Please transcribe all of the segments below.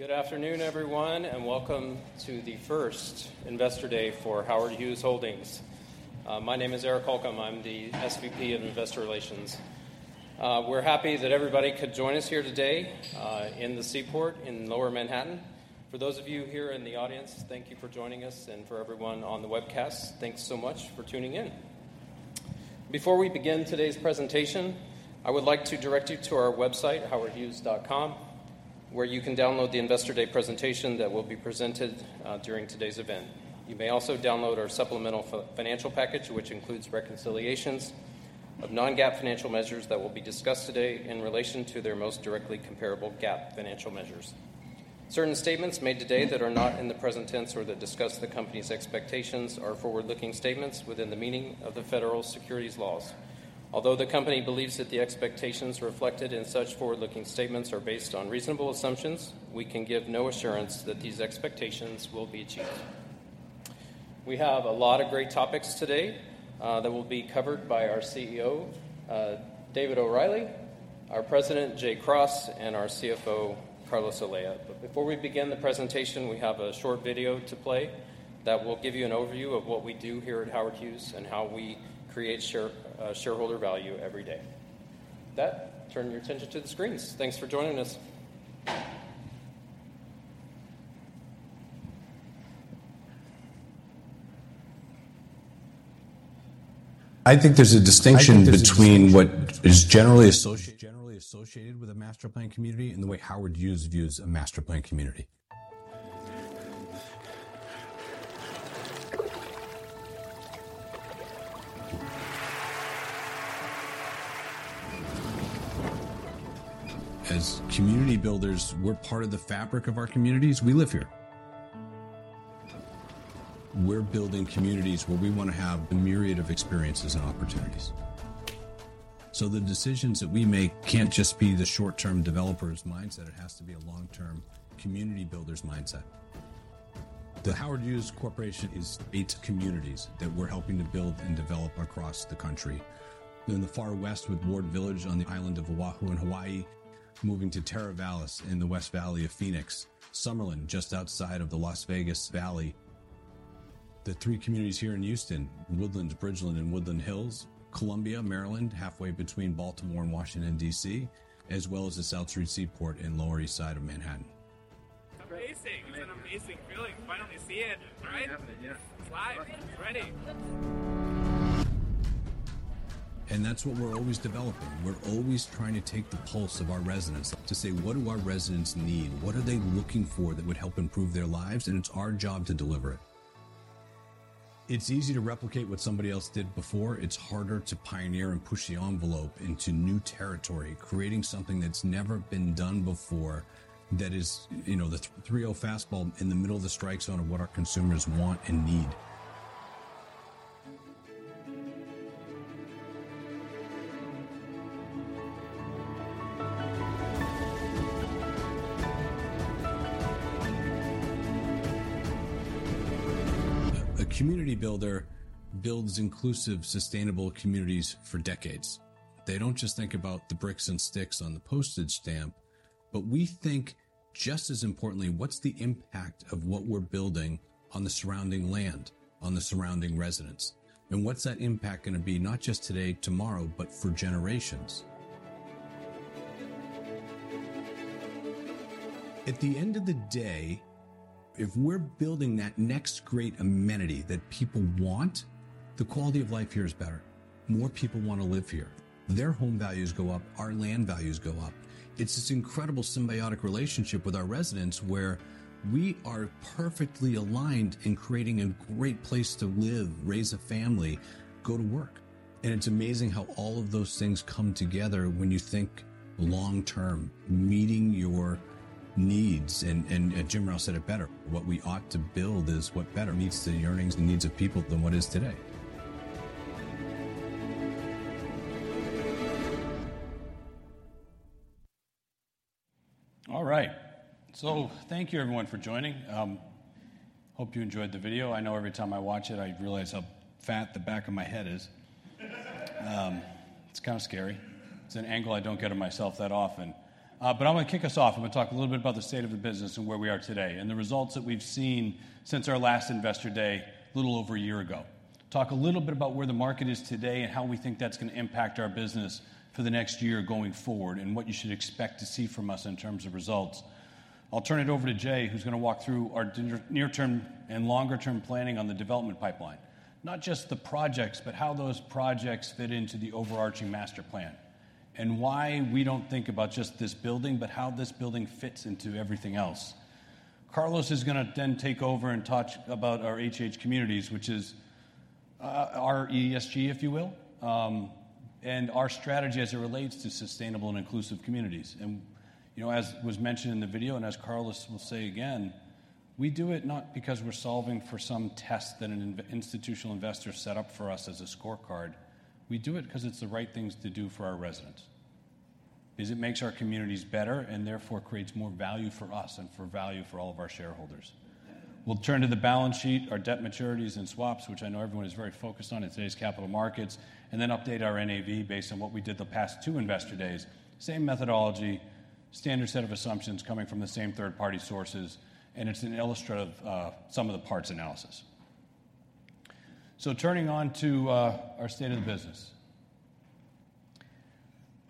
Good afternoon, everyone, and welcome to the first Investor Day for Howard Hughes Holdings. My name is Eric Holcomb. I'm the SVP of Investor Relations. We're happy that everybody could join us here today in the Seaport in Lower Manhattan. For those of you here in the audience, thank you for joining us, and for everyone on the webcast, thanks so much for tuning in. Before we begin today's presentation, I would like to direct you to our website, howardhughes.com, where you can download the Investor Day presentation that will be presented during today's event. You may also download our supplemental financial package, which includes reconciliations of non-GAAP financial measures that will be discussed today in relation to their most directly comparable GAAP financial measures. Certain statements made today that are not in the present tense or that discuss the company's expectations are forward-looking statements within the meaning of the federal securities laws. Although the company believes that the expectations reflected in such forward-looking statements are based on reasonable assumptions, we can give no assurance that these expectations will be achieved. We have a lot of great topics today that will be covered by our CEO, David O'Reilly, our president, Jay Cross, and our CFO, Carlos Olea. But before we begin the presentation, we have a short video to play that will give you an overview of what we do here at Howard Hughes and how we create shareholder value every day. With that, turn your attention to the screens. Thanks for joining us. I think there's a distinction between what is generally associated, generally associated with a master planned community and the way Howard Hughes views a master planned community. As community builders, we're part of the fabric of our communities. We live here. We're building communities where we want to have a myriad of experiences and opportunities. So the decisions that we make can't just be the short-term developer's mindset, it has to be a long-term community builder's mindset. The Howard Hughes Corporation is eight communities that we're helping to build and develop across the country. In the far west, with Ward Village on the island of Oahu in Hawaii, moving to Teravalis in the West Valley of Phoenix, Summerlin, just outside of the Las Vegas Valley. The three communities here in Houston, Woodlands, Bridgeland, and Woodland Hills, Columbia, Maryland, halfway between Baltimore and Washington, D.C., as well as the South Street Seaport in the Lower Manhattan of Manhattan. Amazing! It's an amazing feeling to finally see it, right? It's happening, yeah. Live. Ready. That's what we're always developing. We're always trying to take the pulse of our residents to say: What do our residents need? What are they looking for that would help improve their lives? And it's our job to deliver it. It's easy to replicate what somebody else did before. It's harder to pioneer and push the envelope into new territory, creating something that's never been done before, that is, you know, the 3-0 fastball in the middle of the strike zone of what our consumers want and need. A, a community builder builds inclusive, sustainable communities for decades. They don't just think about the bricks and sticks on the postage stamp, but we think, just as importantly, what's the impact of what we're building on the surrounding land, on the surrounding residents? And what's that impact going to be, not just today, tomorrow, but for generations? At the end of the day, if we're building that next great amenity that people want, the quality of life here is better. More people want to live here. Their home values go up, our land values go up. It's this incredible symbiotic relationship with our residents, where we are perfectly aligned in creating a great place to live, raise a family, go to work. And it's amazing how all of those things come together when you think long-term, meeting your needs. And, Jim Rouse said it better: "What we ought to build is what better meets the yearnings and needs of people than what is today. All right. So thank you everyone for joining. Hope you enjoyed the video. I know every time I watch it, I realize how fat the back of my head is. It's kind of scary. It's an angle I don't get of myself that often. But I'm going to kick us off. I'm going to talk a little bit about the state of the business and where we are today, and the results that we've seen since our last Investor Day, a little over a year ago. Talk a little bit about where the market is today and how we think that's going to impact our business for the next year going forward, and what you should expect to see from us in terms of results. I'll turn it over to Jay, who's going to walk through our near-term and longer-term planning on the development pipeline. Not just the projects, but how those projects fit into the overarching master plan, and why we don't think about just this building, but how this building fits into everything else. Carlos is gonna then take over and talk about our HH communities, which is our ESG, if you will, and our strategy as it relates to sustainable and inclusive communities. And, you know, as was mentioned in the video, and as Carlos will say again, we do it not because we're solving for some test that an institutional investor set up for us as a scorecard. We do it because it's the right things to do for our residents, because it makes our communities better and therefore creates more value for us and for value for all of our shareholders. We'll turn to the balance sheet, our debt maturities and swaps, which I know everyone is very focused on in today's capital markets, and then update our NAV based on what we did the past two investor days. Same methodology, standard set of assumptions coming from the same third-party sources, and it's an illustrative of some of the parts analysis. So turning on to our state of the business.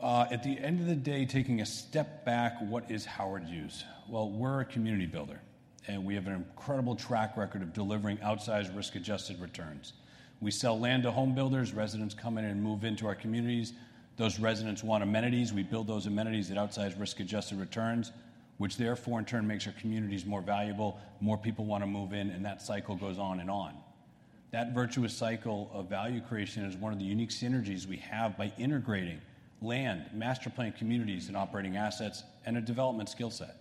At the end of the day, taking a step back, what is Howard Hughes? Well, we're a community builder, and we have an incredible track record of delivering outsized risk-adjusted returns. We sell land to home builders, residents come in and move into our communities. Those residents want amenities. We build those amenities at outsized risk-adjusted returns, which therefore, in turn, makes our communities more valuable, more people want to move in, and that cycle goes on and on. That virtuous cycle of value creation is one of the unique synergies we have by integrating land, master planned communities, and operating assets, and a development skill set.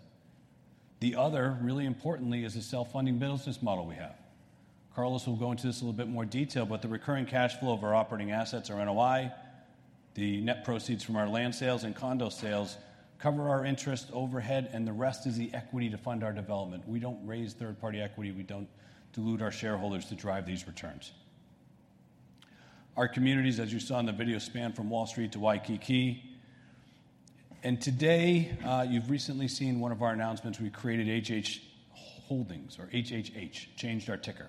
The other, really importantly, is the self-funding business model we have. Carlos will go into this a little bit more detail, but the recurring cash flow of our operating assets, our NOI, the net proceeds from our land sales and condo sales, cover our interest overhead, and the rest is the equity to fund our development. We don't raise third-party equity. We don't dilute our shareholders to drive these returns. Our communities, as you saw in the video, span from Wall Street to Waikiki. Today, you've recently seen one of our announcements. We created HHH Holdings or HHH, changed our ticker.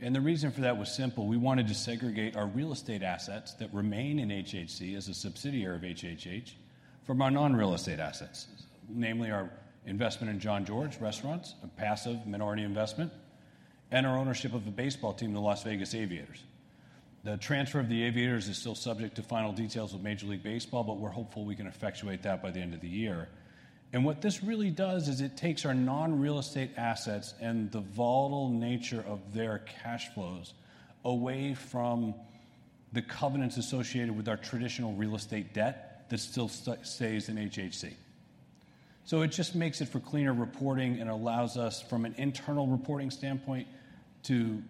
The reason for that was simple: we wanted to segregate our real estate assets that remain in HHC as a subsidiary of HHH from our non-real estate assets, namely our investment in Jean-Georges Restaurants, a passive minority investment, and our ownership of the baseball team, the Las Vegas Aviators. The transfer of the Aviators is still subject to final details with Major League Baseball, but we're hopeful we can effectuate that by the end of the year. What this really does is it takes our non-real estate assets and the volatile nature of their cash flows away from the covenants associated with our traditional real estate debt that still stays in HHC. So it just makes it for cleaner reporting and allows us, from an internal reporting standpoint, to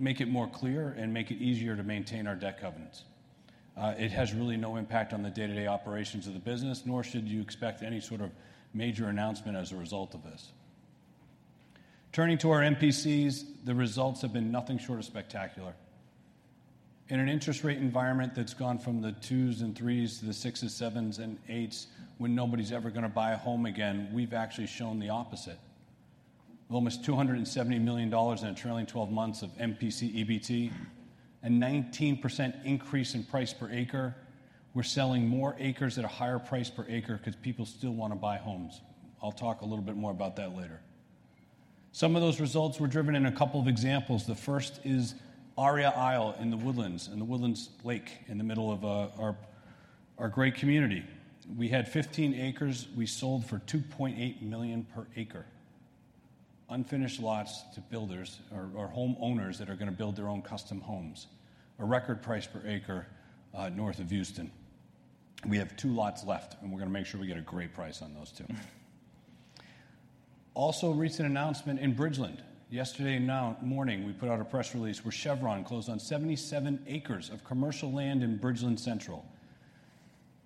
make it more clear and make it easier to maintain our debt covenants. It has really no impact on the day-to-day operations of the business, nor should you expect any sort of major announcement as a result of this. Turning to our MPCs, the results have been nothing short of spectacular. In an interest rate environment that's gone from the 2s and 3s to the 6s, 7s, and 8s, when nobody's ever going to buy a home again, we've actually shown the opposite. Almost $270 million in a trailing 12 months of MPC EBT, a 19% increase in price per acre. We're selling more acres at a higher price per acre because people still want to buy homes. I'll talk a little bit more about that later. Some of those results were driven in a couple of examples. The first is Aria Isle in The Woodlands, in the Woodlands Lake, in the middle of our great community. We had 15 acres we sold for $2.8 million per acre. Unfinished lots to builders or homeowners that are going to build their own custom homes. A record price per acre north of Houston. We have 2 lots left, and we're going to make sure we get a great price on those, too. Also, a recent announcement in Bridgeland. Yesterday now morning, we put out a press release where Chevron closed on 77 acres of commercial land in Bridgeland Central.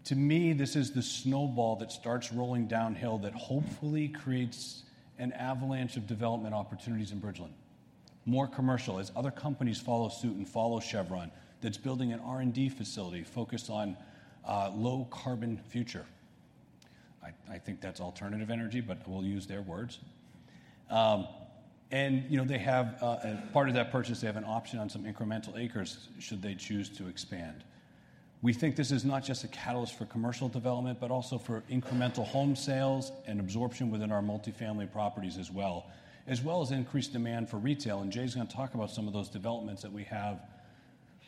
To me, this is the snowball that starts rolling downhill that hopefully creates an avalanche of development opportunities in Bridgeland. More commercial, as other companies follow suit and follow Chevron, that's building an R&D facility focused on low-carbon future. I, I think that's alternative energy, but we'll use their words. And, you know, they have as part of that purchase, they have an option on some incremental acres should they choose to expand. We think this is not just a catalyst for commercial development, but also for incremental home sales and absorption within our multifamily properties as well, as well as increased demand for retail. And Jay's going to talk about some of those developments that we have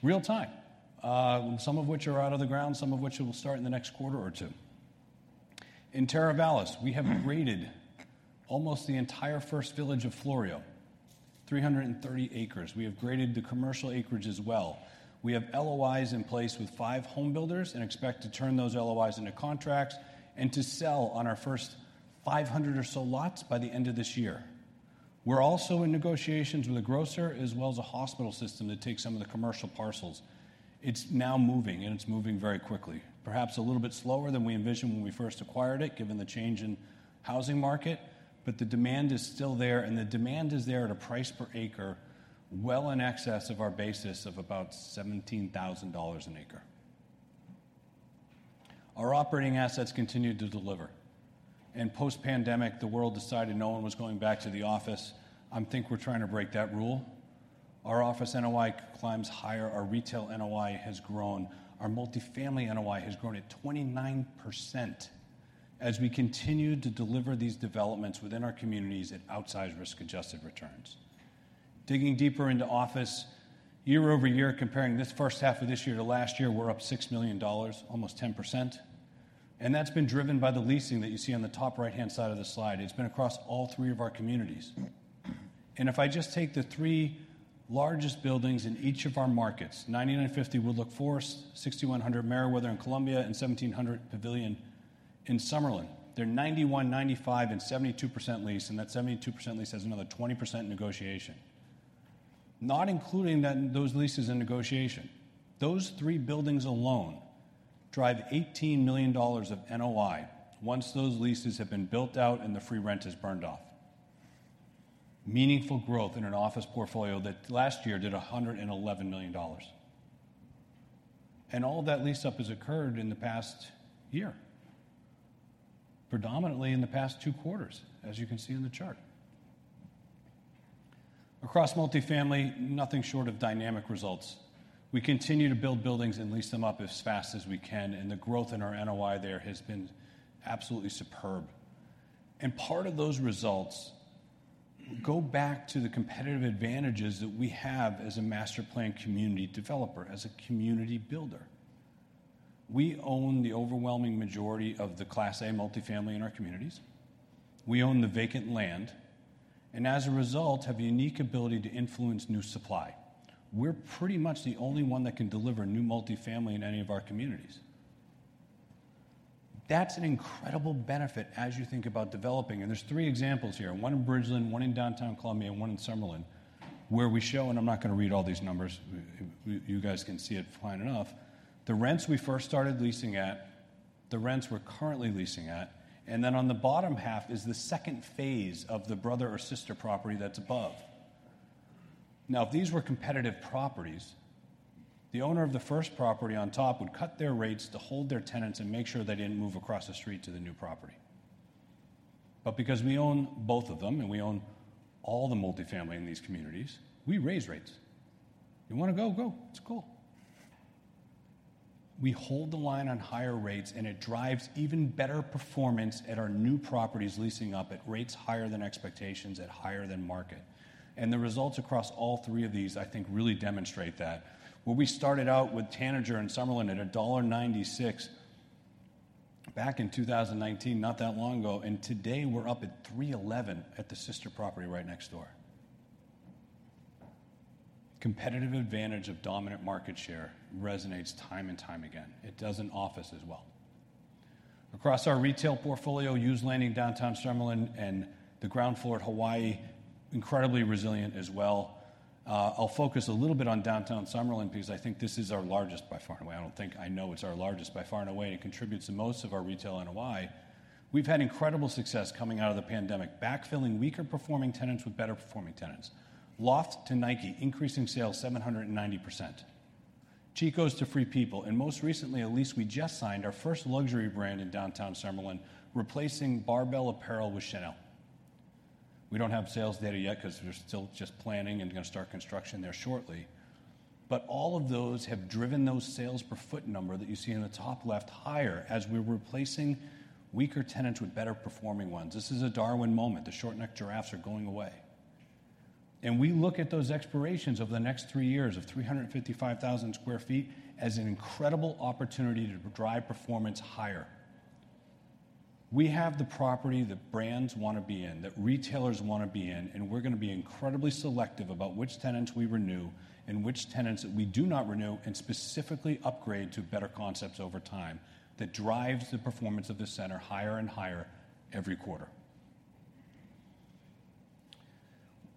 real time, some of which are out of the ground, some of which will start in the next quarter or two. In Teravalis, we have graded almost the entire first village of Floreo, 330 acres. We have graded the commercial acreage as well. We have LOIs in place with five home builders and expect to turn those LOIs into contracts and to sell on our first 500 or so lots by the end of this year. We're also in negotiations with a grocer as well as a hospital system to take some of the commercial parcels. It's now moving, and it's moving very quickly, perhaps a little bit slower than we envisioned when we first acquired it, given the change in housing market, but the demand is still there, and the demand is there at a price per acre, well in excess of our basis of about $17,000 an acre. Our operating assets continued to deliver, and post-pandemic, the world decided no one was going back to the office. I think we're trying to break that rule. Our office NOI climbs higher, our retail NOI has grown, our multifamily NOI has grown at 29% as we continue to deliver these developments within our communities at outsized risk-adjusted returns. Digging deeper into office, year-over-year, comparing this first half of this year to last year, we're up $6 million, almost 10%, and that's been driven by the leasing that you see on the top right-hand side of the slide. It's been across all three of our communities. And if I just take the three largest buildings in each of our markets, 9950 Woodloch Forest, 6100 Merriweather in Columbia, and 1700 Pavilion in Summerlin. They're 91%, 95%, and 72% leased, and that 72% lease has another 20% negotiation, not including that, those leases in negotiation. Those three buildings alone drive $18 million of NOI, once those leases have been built out and the free rent is burned off. Meaningful growth in an office portfolio that last year did $111 million. All of that lease-up has occurred in the past year, predominantly in the past two quarters, as you can see in the chart. Across multifamily, nothing short of dynamic results. We continue to build buildings and lease them up as fast as we can, and the growth in our NOI there has been absolutely superb. Part of those results go back to the competitive advantages that we have as a master planned community developer, as a community builder. We own the overwhelming majority of the Class A multifamily in our communities. We own the vacant land, and as a result, have a unique ability to influence new supply. We're pretty much the only one that can deliver new multifamily in any of our communities. That's an incredible benefit as you think about developing, and there's three examples here, one in Bridgeland, one in Downtown Columbia, and one in Summerlin, where we show, and I'm not going to read all these numbers, you guys can see it fine enough. The rents we first started leasing at, the rents we're currently leasing at, and then on the bottom half is the second phase of the brother or sister property that's above. Now, if these were competitive properties, the owner of the first property on top would cut their rates to hold their tenants and make sure they didn't move across the street to the new property. But because we own both of them, and we own all the multifamily in these communities, we raise rates. You want to go? Go. It's cool. We hold the line on higher rates, and it drives even better performance at our new properties, leasing up at rates higher than expectations, at higher than market. And the results across all three of these, I think, really demonstrate that. Where we started out with Tanager in Summerlin at $1.96 back in 2019, not that long ago, and today we're up at $3.11 at the sister property right next door. Competitive advantage of dominant market share resonates time and time again. It does in office as well. Across our retail portfolio, Hughes Landing, Downtown Summerlin, and the ground floor at Hawaii, incredibly resilient as well. I'll focus a little biton Downtown Summerlin because I think this is our largest by far and away. I don't think I know it's our largest by far and away. It contributes to most of our retail NOI. We've had incredible success coming out of the pandemic, backfilling weaker performing tenants with better performing tenants. Loft to Nike, increasing sales 790%. Chico's to Free People, and most recently, at least, we just signed our first luxury brand in Downtown Summerlin, replacing Barbell Apparel with Chanel. We don't have sales data yet because we're still just planning and going to start construction there shortly. But all of those have driven those sales per foot number that you see in the top left higher as we're replacing weaker tenants with better performing ones. This is a Darwin moment. The short-necked giraffes are going away. We look at those expirations over the next three years of 355,000 sq ft as an incredible opportunity to drive performance higher. We have the property that brands want to be in, that retailers want to be in, and we're going to be incredibly selective about which tenants we renew and which tenants that we do not renew, and specifically upgrade to better concepts over time that drives the performance of the center higher and higher every quarter.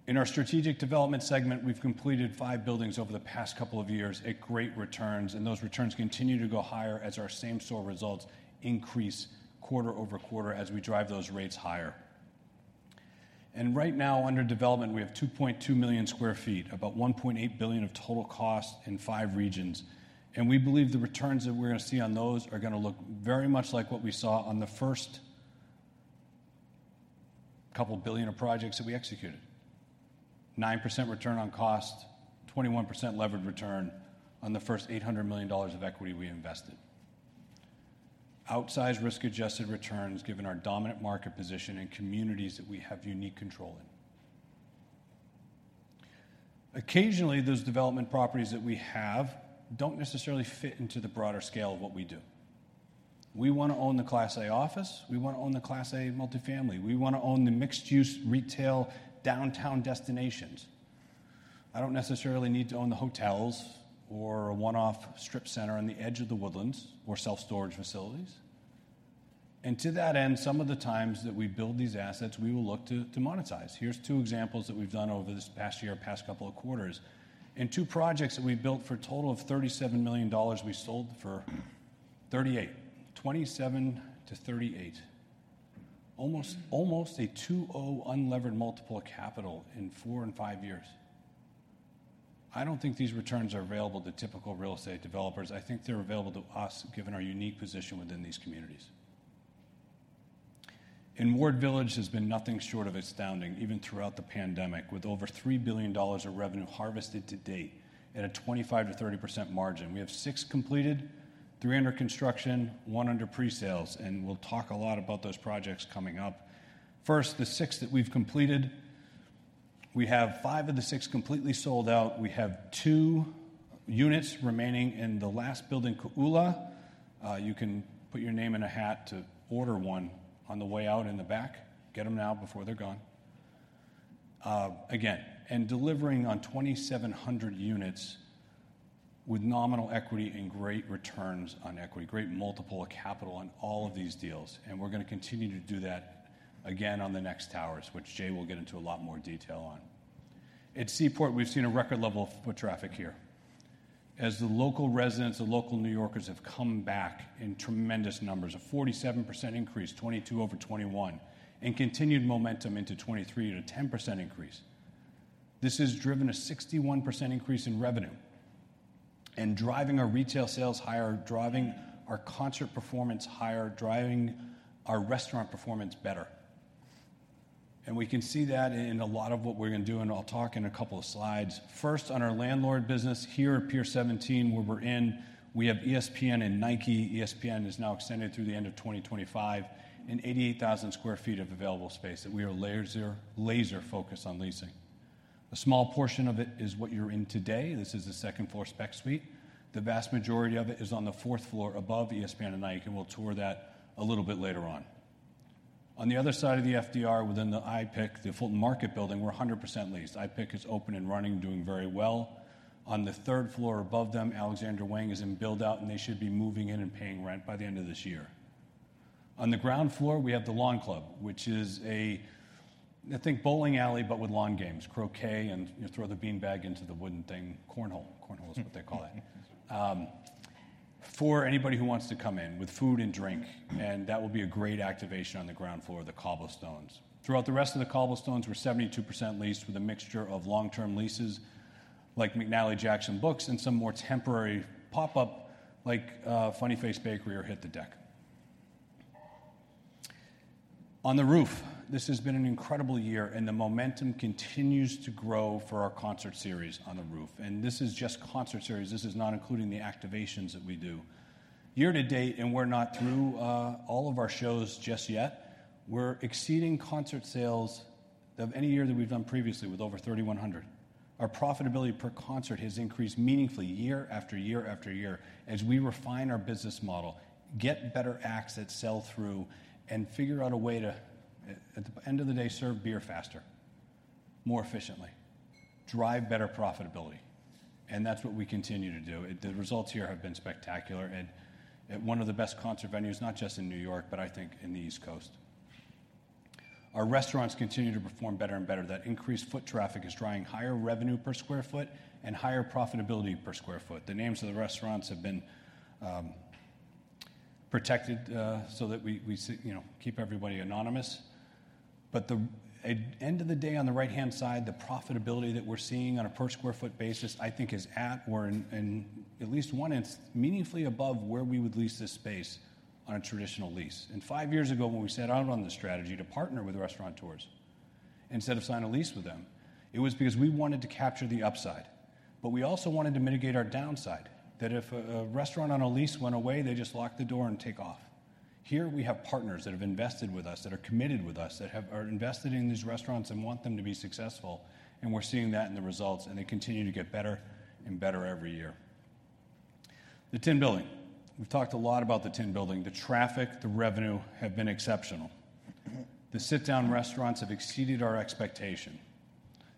In our strategic development segment, we've completed five buildings over the past couple of years at great returns, and those returns continue to go higher as our same store results increase quarter-over-quarter as we drive those rates higher. Right now, under development, we have 2.2 million sq ft, about $1.8 billion of total cost in five regions. We believe the returns that we're going to see on those are going to look very much like what we saw on the first couple billion of projects that we executed. 9% return on cost, 21% levered return on the first $800 million of equity we invested. Outsized risk-adjusted returns, given our dominant market position in communities that we have unique control in. Occasionally, those development properties that we have don't necessarily fit into the broader scale of what we do. We want to own the Class A office. We want to own the Class A multifamily. We want to own the mixed-use retail downtown destinations. I don't necessarily need to own the hotels or a one-off strip center on the edge of The Woodlands or self-storage facilities. To that end, some of the times that we build these assets, we will look to monetize. Here's two examples that we've done over this past year, past couple of quarters. In two projects that we built for a total of $37 million, we sold for $38 million. $27 million-$38 million. Almost, almost a 2.0 unlevered multiple of capital in four and five years. I don't think these returns are available to typical real estate developers. I think they're available to us, given our unique position within these communities. In Ward Village has been nothing short of astounding, even throughout the pandemic, with over $3 billion of revenue harvested to date at a 25%-30% margin. We have six completed, three under construction, one under pre-sales, and we'll talk a lot about those projects coming up. First, the six that we've completed, we have five of the six completely sold out. We have 2 units remaining in the last building, Kō'ula. You can put your name in a hat to order one on the way out in the back. Get them now before they're gone. Again, and delivering on 2,700 units with nominal equity and great returns on equity, great multiple of capital on all of these deals, and we're gonna continue to do that again on the next towers, which Jay will get into a lot more detail on. At Seaport, we've seen a record level of foot traffic here. As the local residents, the local New Yorkers, have come back in tremendous numbers, a 47% increase, 2022 over 2021, and continued momentum into 2023 at a 10% increase. This has driven a 61% increase in revenue, and driving our retail sales higher, driving our concert performance higher, driving our restaurant performance better. And we can see that in a lot of what we're gonna do, and I'll talk in a couple of slides. First, on our landlord business here at Pier 17, where we're in, we have ESPN and Nike. ESPN is now extended through the end of 2025, and 88,000 sq ft of available space that we are laser, laser-focused on leasing. A small portion of it is what you're in today. This is the second floor spec suite. The vast majority of it is on the fourth floor above ESPN and Nike, and we'll tour that a little bit later on. On the other side of the FDR, within the IPIC, the Fulton Market building, we're 100% leased. IPIC is open and running, doing very well. On the third floor above them, Alexander Wang is in build-out, and they should be moving in and paying rent by the end of this year. On the ground floor, we have the Lawn Club, which is a, I think, bowling alley, but with lawn games, croquet, and you throw the beanbag into the wooden thing. Cornhole. Cornhole is what they call it. For anybody who wants to come in with food and drink, and that will be a great activation on the ground floor of the cobblestones. Throughout the rest of the cobblestones, we're 72% leased, with a mixture of long-term leases like McNally Jackson Books and some more temporary pop-up, like, Funny Face Bakery or Hit The Deck. On the roof, this has been an incredible year, and the momentum continues to grow for our concert series on the roof. This is just concert series. This is not including the activations that we do. Year to date, and we're not through all of our shows just yet, we're exceeding concert sales of any year that we've done previously with over 3,100. Our profitability per concert has increased meaningfully year after year after year as we refine our business model, get better acts that sell through, and figure out a way to, at the end of the day, serve beer faster, more efficiently, drive better profitability, and that's what we continue to do. The results here have been spectacular, and at one of the best concert venues, not just in New York, but I think in the East Coast. Our restaurants continue to perform better and better. That increased foot traffic is driving higher revenue per square foot and higher profitability per square foot. The names of the restaurants have been protected, so that we, you know, keep everybody anonymous. But at the end of the day, on the right-hand side, the profitability that we're seeing on a per sq ft basis, I think is at or in at least one instance meaningfully above where we would lease this space on a traditional lease. And five years ago, when we set out on the strategy to partner with restauranteurs instead of sign a lease with them, it was because we wanted to capture the upside. But we also wanted to mitigate our downside, that if a restaurant on a lease went away, they just lock the door and take off. Here, we have partners that have invested with us, that are committed with us, that are invested in these restaurants and want them to be successful, and we're seeing that in the results, and they continue to get better and better every year. The Tin Building. We've talked a lot about the Tin Building. The traffic, the revenue have been exceptional. The sit-down restaurants have exceeded our expectation.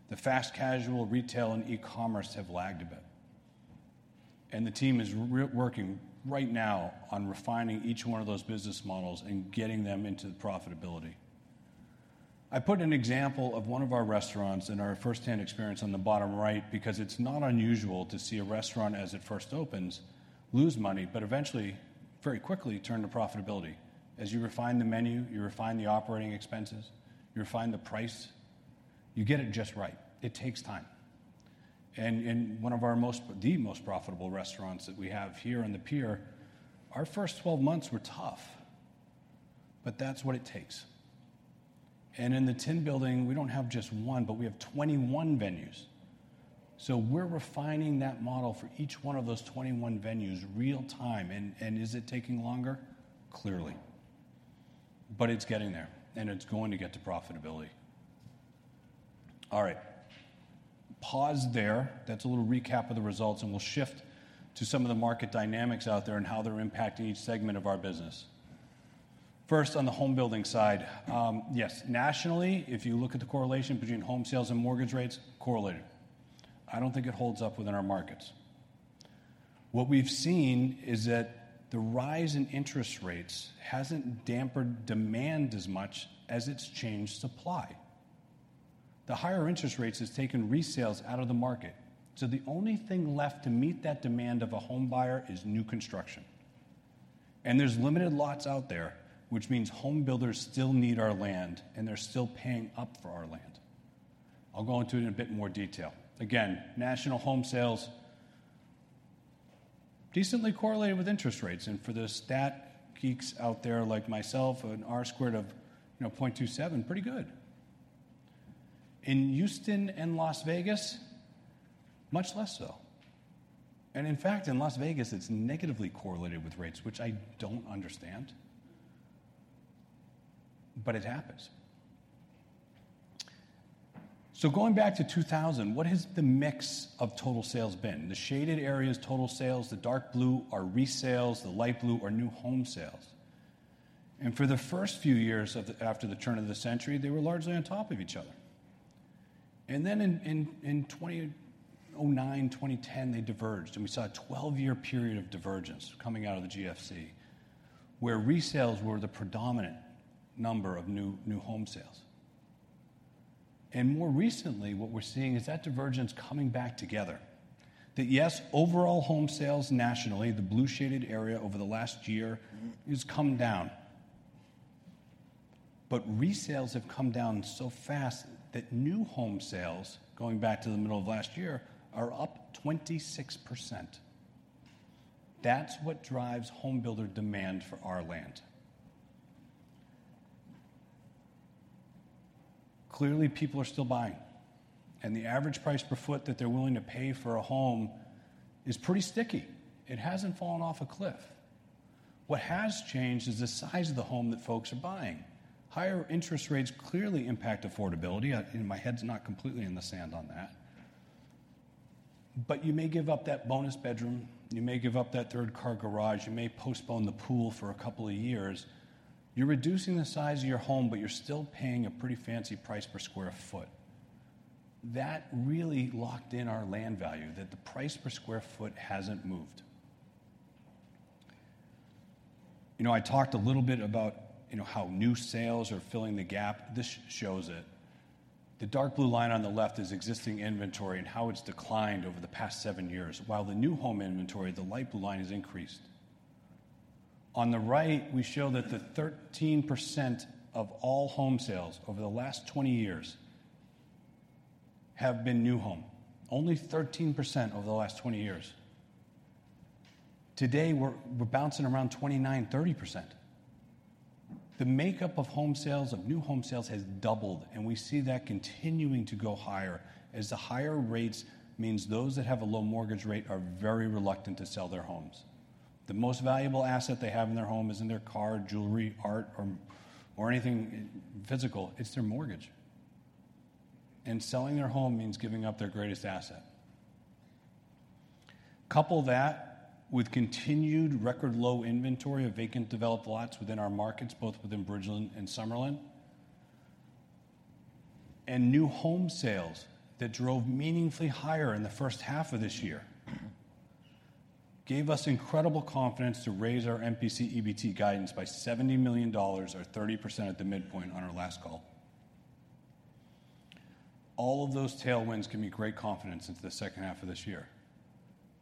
The fast casual retail and e-commerce have lagged a bit, and the team is reworking right now on refining each one of those business models and getting them into the profitability. I put an example of one of our restaurants and our firsthand experience on the bottom right, because it's not unusual to see a restaurant, as it first opens, lose money, but eventually, very quickly, turn to profitability. As you refine the menu, you refine the operating expenses, you refine the price, you get it just right. It takes time. And in the most profitable restaurants that we have here on the Pier, our first 12 months were tough, but that's what it takes. And in the Tin Building, we don't have just one, but we have 21 venues. So we're refining that model for each one of those 21 venues real time. And is it taking longer? Clearly. But it's getting there, and it's going to get to profitability. All right. Pause there. That's a little recap of the results, and we'll shift to some of the market dynamics out there and how they're impacting each segment of our business. First, on the home building side, yes, nationally, if you look at the correlation between home sales and mortgage rates, correlated. I don't think it holds up within our markets. What we've seen is that the rise in interest rates hasn't dampened demand as much as it's changed supply. The higher interest rates has taken resales out of the market, so the only thing left to meet that demand of a home buyer is new construction. There's limited lots out there, which means home builders still need our land, and they're still paying up for our land. I'll go into it in a bit more detail. Again, national home sales decently correlated with interest rates, and for the stat geeks out there like myself, an R squared of, you know, 0.27, pretty good. In Houston and Las Vegas, much less so. And in fact, in Las Vegas, it's negatively correlated with rates, which I don't understand, but it happens. So going back to 2000, what has the mix of total sales been? The shaded areas, total sales, the dark blue are resales, the light blue are new home sales. And for the first few years after the turn of the century, they were largely on top of each other. And then in 2009, 2010, they diverged, and we saw a 12-year period of divergence coming out of the GFC, where resales were the predominant number of new home sales. And more recently, what we're seeing is that divergence coming back together. That yes, overall home sales nationally, the blue-shaded area over the last year, has come down. But resales have come down so fast that new home sales, going back to the middle of last year, are up 26%. That's what drives home builder demand for our land. Clearly, people are still buying, and the average price per foot that they're willing to pay for a home is pretty sticky. It hasn't fallen off a cliff. What has changed is the size of the home that folks are buying. Higher interest rates clearly impact affordability, and my head's not completely in the sand on that. But you may give up that bonus bedroom, you may give up that third car garage, you may postpone the pool for a couple of years. You're reducing the size of your home, but you're still paying a pretty fancy price per square foot. That really locked in our land value, that the price per square foot hasn't moved. You know, I talked a little bit about, you know, how new sales are filling the gap. This shows it. The dark blue line on the left is existing inventory and how it's declined over the past seven years, while the new home inventory, the light blue line, has increased. On the right, we show that the 13% of all home sales over the last 20 years have been new home. Only 13% over the last 20 years. Today, we're, we're bouncing around 29%-30%. The makeup of home sales, of new home sales, has doubled, and we see that continuing to go higher, as the higher rates means those that have a low mortgage rate are very reluctant to sell their homes. The most valuable asset they have in their home isn't their car, jewelry, art, or, or anything physical, it's their mortgage. Selling their home means giving up their greatest asset. Couple that with continued record-low inventory of vacant developed lots within our markets, both within Bridgeland and Summerlin, and new home sales that drove meaningfully higher in the first half of this year, gave us incredible confidence to raise our MPC EBT guidance by $70 million or 30% at the midpoint on our last call. All of those tailwinds give me great confidence into the second half of this year,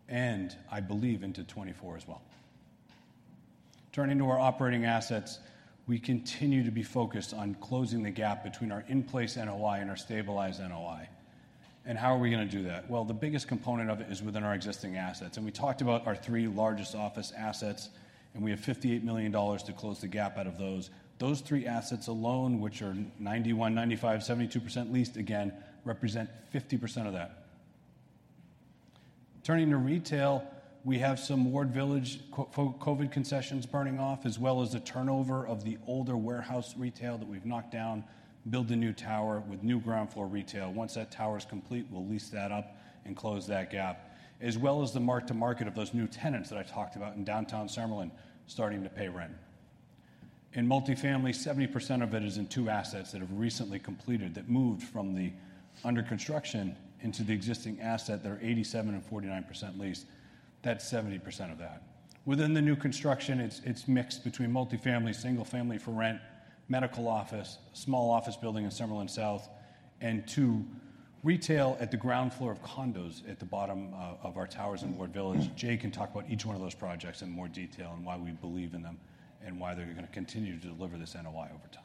and I believe into 2024 as well. Turning to our operating assets, we continue to be focused on closing the gap between our in-place NOI and our stabilized NOI. And how are we going to do that? Well, the biggest component of it is within our existing assets, and we talked about our three largest office assets, and we have $58 million to close the gap out of those. Those three assets alone, which are 91, 95, 72% leased, again, represent 50% of that. Turning to retail, we have some Ward Village COVID concessions burning off, as well as the turnover of the older warehouse retail that we've knocked down, built a new tower with new ground floor retail. Once that tower is complete, we'll lease that up and close that gap, as well as the mark to market of those new tenants that I talked about in Downtown Summerlin starting to pay rent. In multifamily, 70% of it is in two assets that have recently completed, that moved from the under construction into the existing asset. They're 87% and 49% leased. That's 70% of that. Within the new construction, it's, it's mixed between multifamily, single-family for rent, medical office, small office building in Summerlin South, and two retail at the ground floor of condos at the bottom of, of our towers in Ward Village. Jay can talk about each one of those projects in more detail and why we believe in them, and why they're going to continue to deliver this NOI over time.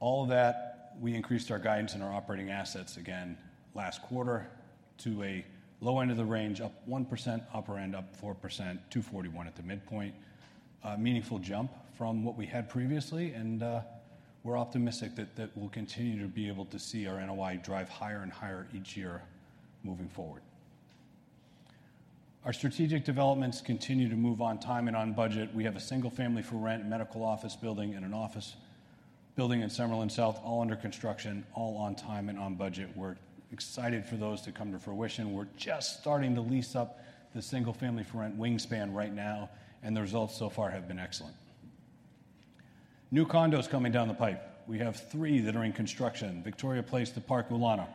All of that, we increased our guidance in our operating assets again last quarter to a low end of the range, up 1%, upper end, up 4%, $241 at the midpoint. A meaningful jump from what we had previously, and, we're optimistic that, that we'll continue to be able to see our NOI drive higher and higher each year moving forward. Our strategic developments continue to move on time and on budget. We have a single-family for rent, medical office building, and an office building in Summerlin South, all under construction, all on time and on budget. We're excited for those to come to fruition. We're just starting to lease up the single-family for rent Wingspan right now, and the results so far have been excellent. New condos coming down the pipe. We have three that are in construction: Victoria Place, The Park, Ulana.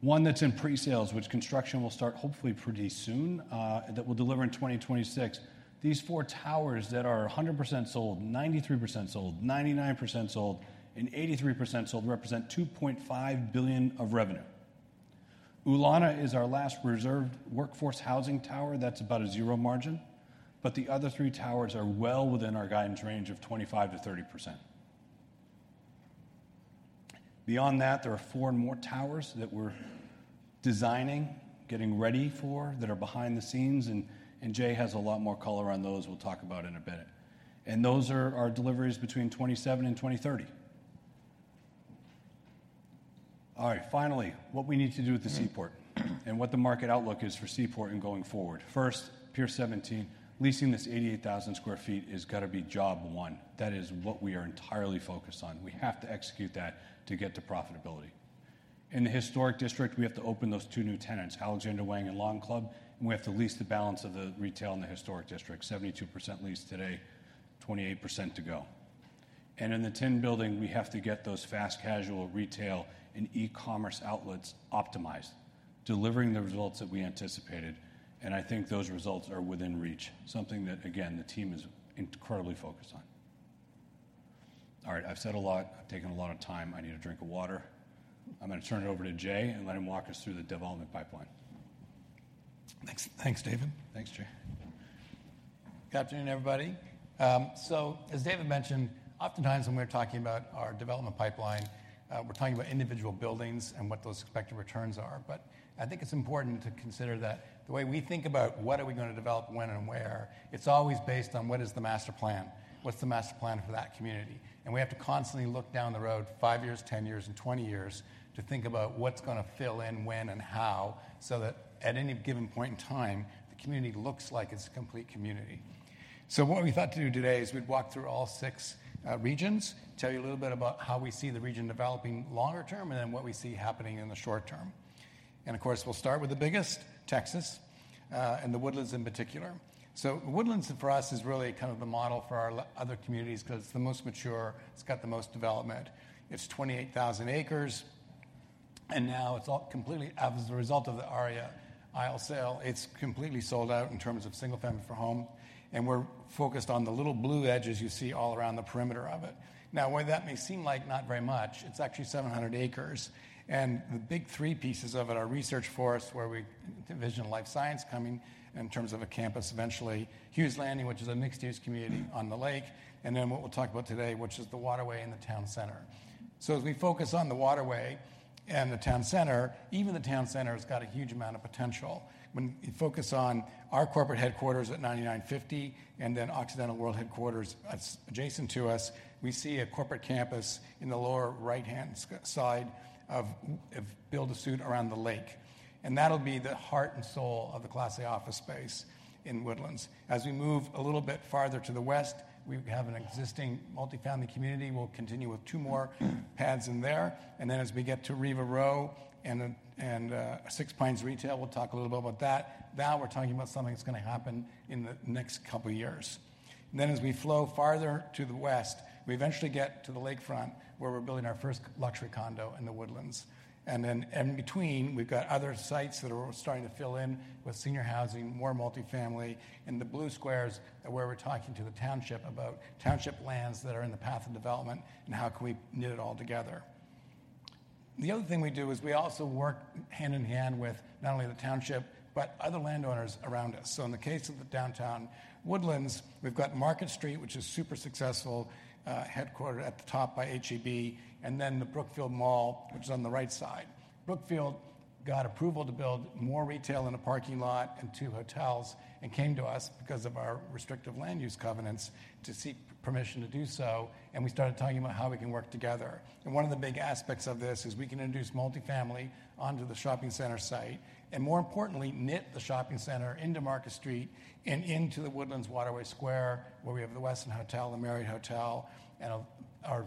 One that's in pre-sales, which construction will start hopefully pretty soon, that will deliver in 2026. These four towers that are 100% sold, 93% sold, 99% sold, and 83% sold, represent $2.5 billion of revenue. Ulana is our last reserved workforce housing tower. That's about a zero margin, but the other three towers are well within our guidance range of 25%-30%. Beyond that, there are four more towers that we're designing, getting ready for, that are behind the scenes, and Jay has a lot more color on those we'll talk about in a bit. Those are our deliveries between 2027 and 2030. All right, finally, what we need to do with the Seaport and what the market outlook is for Seaport and going forward. First, Pier 17, leasing this 88,000 sq ft has got to be job one. That is what we are entirely focused on. We have to execute that to get to profitability. In the Historic District, we have to open those two new tenants, Alexander Wang and Lawn Club, and we have to lease the balance of the retail in the Historic District, 72% leased today, 28% to go. In the Tin Building, we have to get those fast casual retail and e-commerce outlets optimized, delivering the results that we anticipated. I think those results are within reach, something that, again, the team is incredibly focused on. All right, I've said a lot. I've taken a lot of time. I need a drink of water. I'm going to turn it over to Jay and let him walk us through the development pipeline. Thanks. Thanks, David. Thanks, Jay. Good afternoon, everybody. As David mentioned, oftentimes when we're talking about our development pipeline, we're talking about individual buildings and what those expected returns are. But I think it's important to consider that the way we think about what are we going to develop, when, and where, it's always based on what is the master plan. What's the master plan for that community? And we have to constantly look down the road five years, 10 years, and 20 years to think about what's going to fill in, when, and how, so that at any given point in time, the community looks like it's a complete community. So what we thought to do today is we'd walk through all six regions, tell you a little bit about how we see the region developing longer term, and then what we see happening in the short term. Of course, we'll start with the biggest, Texas, and The Woodlands in particular. The Woodlands, for us, is really kind of the model for our other communities because it's the most mature, it's got the most development. It's 28,000 acres, and now it's all completely. As a result of the Aria Isle sale, it's completely sold out in terms of single-family home, and we're focused on the little blue edges you see all around the perimeter of it. Now, while that may seem like not very much, it's actually 700 acres, and the big three pieces of it are Research Forest, where we—Division of Life Science coming in terms of a campus eventually. Hughes Landing, which is a mixed-use community on the lake, and then what we'll talk about today, which is the Waterway and the Town Center. So as we focus on the Waterway and the Town Center, even the Town Center has got a huge amount of potential. When you focus on our corporate headquarters at 9950 and then Occidental World Headquarters adjacent to us, we see a corporate campus in the lower right-hand side of build-to-suit around the lake. And that'll be the heart and soul of the Class A office space in The Woodlands. As we move a little bit farther to the west, we have an existing multifamily community. We'll continue with two more pads in there, and then as we get to m we'll talk a little bit about that. Now we're talking about something that's going to happen in the next couple of years. Then as we flow farther to the west, we eventually get to the lakefront, where we're building our first luxury condo in The Woodlands. And then in between, we've got other sites that are starting to fill in with senior housing, more multifamily. In the blue squares are where we're talking to the township about township lands that are in the path of development and how can we knit it all together. The other thing we do is we also work hand in hand with not only the township, but other landowners around us. So in the case of the Downtown The Woodlands, we've got Market Street, which is super successful, headquartered at the top by H-E-B, and then the Brookfield Mall, which is on the right side. Brookfield got approval to build more retail in a parking lot and two hotels and came to us because of our restrictive land use covenants to seek permission to do so, and we started talking about how we can work together. One of the big aspects of this is we can introduce multifamily onto the shopping center site, and more importantly, knit the shopping center into Market Street and into The Woodlands Waterway Square, where we have the Westin Hotel, the Marriott Hotel, and our,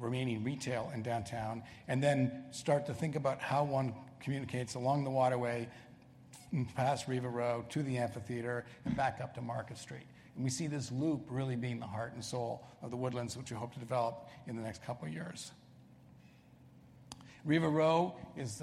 our remaining retail in downtown, and then start to think about how one communicates along the waterway, past Riva Row to the amphitheater and back up to Market Street. We see this loop really being the heart and soul of The Woodlands, which we hope to develop in the next couple of years. Riva Row is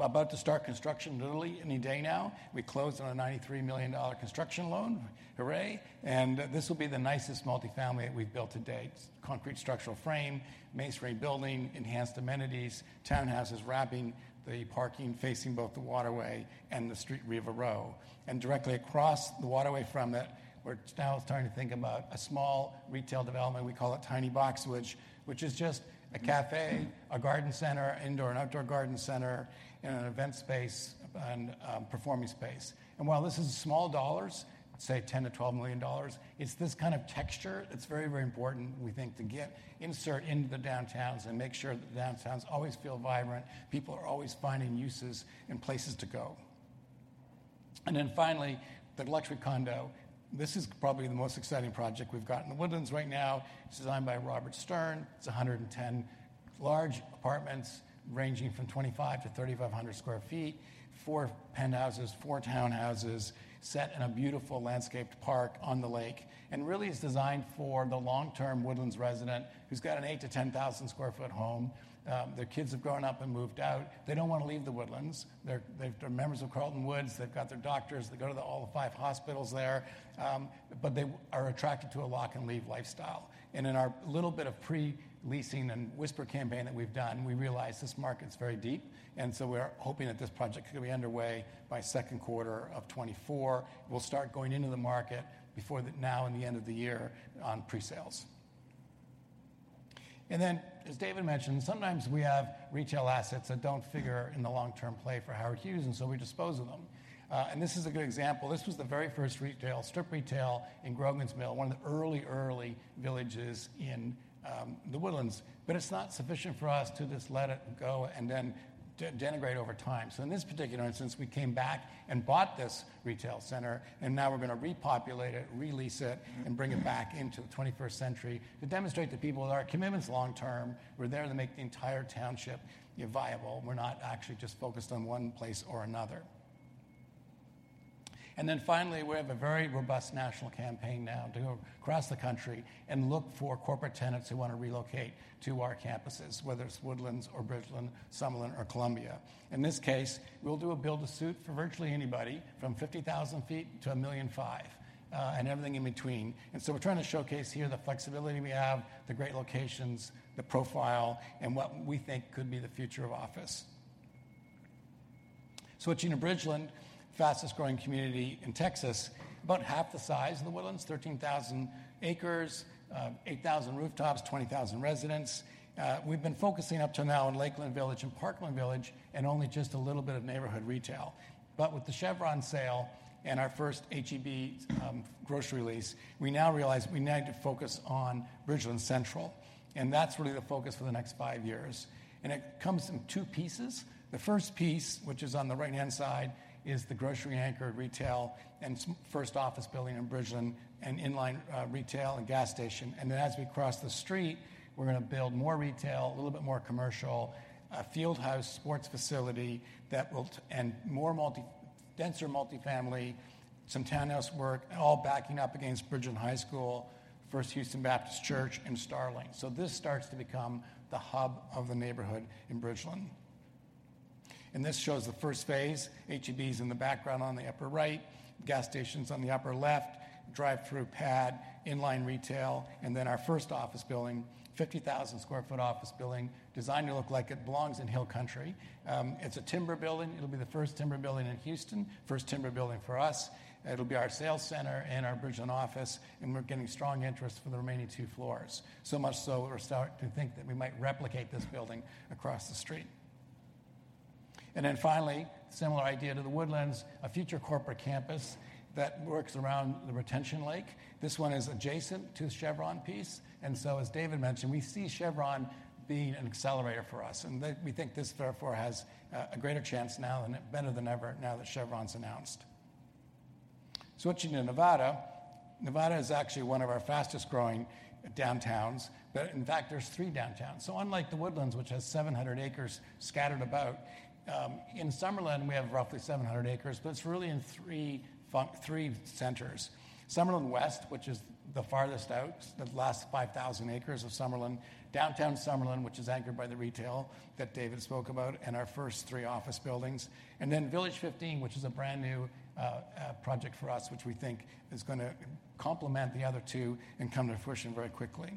about to start construction literally any day now. We closed on a $93 million construction loan. Hooray! This will be the nicest multifamily that we've built to date. Concrete structural frame, masonry building, enhanced amenities, townhouses wrapping the parking, facing both the waterway and the street, Riva Row. And directly across the waterway from it, we're now starting to think about a small retail development. We call it Tiny Box, which is just a café, a garden center, indoor and outdoor garden center, and an event space and performing space. And while this is small dollars, say $10 million-$12 million, it's this kind of texture that's very, very important, we think, to get inserted into the downtowns and make sure that the downtowns always feel vibrant, people are always finding uses and places to go. And then finally, the luxury condo. This is probably the most exciting project we've got in The Woodlands right now. It's designed by Robert Stern. It's 110 large apartments, ranging from 2,500 sq ft-3,500 sq ft, four penthouses, four townhouses, set in a beautiful landscaped park on the lake. And really, it's designed for the long-term Woodlands resident who's got an 8,000 sq ft-10,000 sq ft home. Their kids have grown up and moved out. They don't want to leave The Woodlands. They're members of Carlton Woods. They've got their doctors. They go to all the five hospitals there, but they are attracted to a lock and leave lifestyle. And in our little bit of pre-leasing and whisper campaign that we've done, we realize this market is very deep, and so we're hoping that this project will be underway by second quarter of 2024. We'll start going into the market before the now in the end of the year on pre-sales. Then, as David mentioned, sometimes we have retail assets that don't figure in the long-term play for Howard Hughes, and so we dispose of them. And this is a good example. This was the very first retail, strip retail in Grogan's Mill, one of the early, early villages in The Woodlands. But it's not sufficient for us to just let it go and then deteriorate over time. So in this particular instance, we came back and bought this retail center, and now we're going to repopulate it, re-lease it, and bring it back into the 21st century to demonstrate to people that our commitment's long term. We're there to make the entire township viable. We're not actually just focused on one place or another. And then finally, we have a very robust national campaign now to go across the country and look for corporate tenants who want to relocate to our campuses, whether it's Woodlands or Bridgeland, Summerlin, or Columbia. In this case, we'll do a build-to-suit for virtually anybody, from 50,000 ft to 1,500,000, and everything in between. And so we're trying to showcase here the flexibility we have, the great locations, the profile, and what we think could be the future of office. Switching to Bridgeland, fastest growing community in Texas, about half the size of The Woodlands, 13,000 acres, 8,000 rooftops, 20,000 residents. We've been focusing up to now on Lakeland Village and Parkland Village, and only just a little bit of neighborhood retail. But with the Chevron sale and our first HEB grocery release, we now realize we now need to focus on Bridgeland Central, and that's really the focus for the next five years. And it comes in two pieces. The first piece, which is on the right-hand side, is the grocery anchor, retail, and first office building in Bridgeland and inline retail and gas station. And then as we cross the street, we're going to build more retail, a little bit more commercial, a field house sports facility that will. And more denser multifamily, some townhouse work, all backing up against Bridgeland High School, First Houston Baptist Church, and Starling. So this starts to become the hub of the neighborhood in Bridgeland. This shows the first phase, H-E-B's in the background on the upper right, gas station's on the upper left, drive-through pad, inline retail, and then our first office building, 50,000 sq ft office building, designed to look like it belongs in Hill Country. It's a timber building. It'll be the first timber building in Houston, first timber building for us. It'll be our sales center and our Bridgeland office, and we're getting strong interest for the remaining two floors. So much so, we're starting to think that we might replicate this building across the street. And then finally, similar idea to The Woodlands, a future corporate campus that works around the retention lake. This one is adjacent to the Chevron piece, and so, as David mentioned, we see Chevron being an accelerator for us, and we think this therefore has a greater chance now and better than ever now that Chevron's announced. Switching to Nevada. Nevada is actually one of our fastest growing downtowns, but in fact, there's three downtowns. So unlike The Woodlands, which has 700 acres scattered about, in Summerlin, we have roughly 700 acres, but it's really in three centers. Summerlin West, which is the farthest out, the last 5,000 acres of Summerlin. Downtown Summerlin, which is anchored by the retail that David spoke about, and our first three office buildings. And then Village 15, which is a brand-new project for us, which we think is gonna complement the other two and come to fruition very quickly.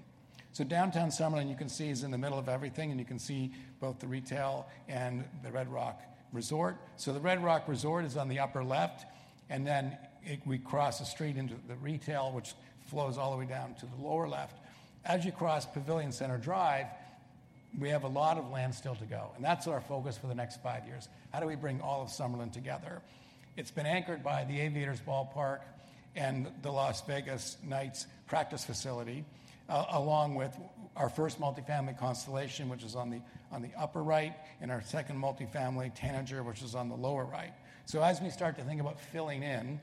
So Downtown Summerlin, you can see, is in the middle of everything, and you can see both the retail and the Red Rock Resort. So the Red Rock Resort is on the upper left, and then we cross the street into the retail, which flows all the way down to the lower left. As you cross Pavilion Center Drive, we have a lot of land still to go, and that's our focus for the next five years. How do we bring all of Summerlin together? It's been anchored by the Aviators Ballpark and the Las Vegas Knights practice facility, along with our first multifamily Constellation, which is on the upper right, and our second multifamily, Tanager, which is on the lower right. So as we start to think about filling in,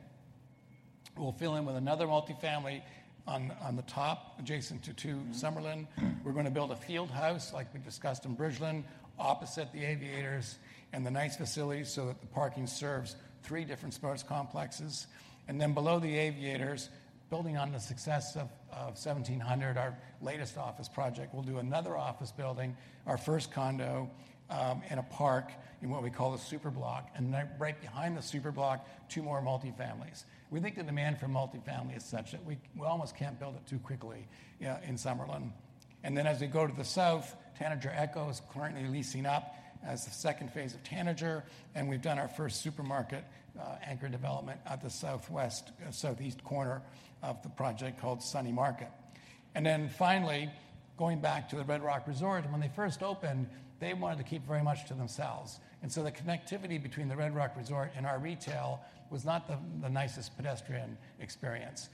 we'll fill in with another multifamily on the top, adjacent to Summerlin. We're going to build a field house, like we discussed in Bridgeland, opposite the Aviators and the Knights facilities, so that the parking serves three different sports complexes. Then below the Aviators, building on the success of, of 1,700, our latest office project, we'll do another office building, our first condo, and a park in what we call the superblock. Then right behind the superblock, two more multifamilies. We think the demand for multifamily is such that we, we almost can't build it too quickly, in Summerlin. Then as we go to the south, Tanager Echo is currently leasing up as the second phase of Tanager, and we've done our first supermarket, anchor development at the southwest, southeast corner of the project, called Sunny Market. And then finally, going back to the Red Rock Resort, when they first opened, they wanted to keep very much to themselves. And so the connectivity between the Red Rock Resort and our retail was not the nicest pedestrian experience.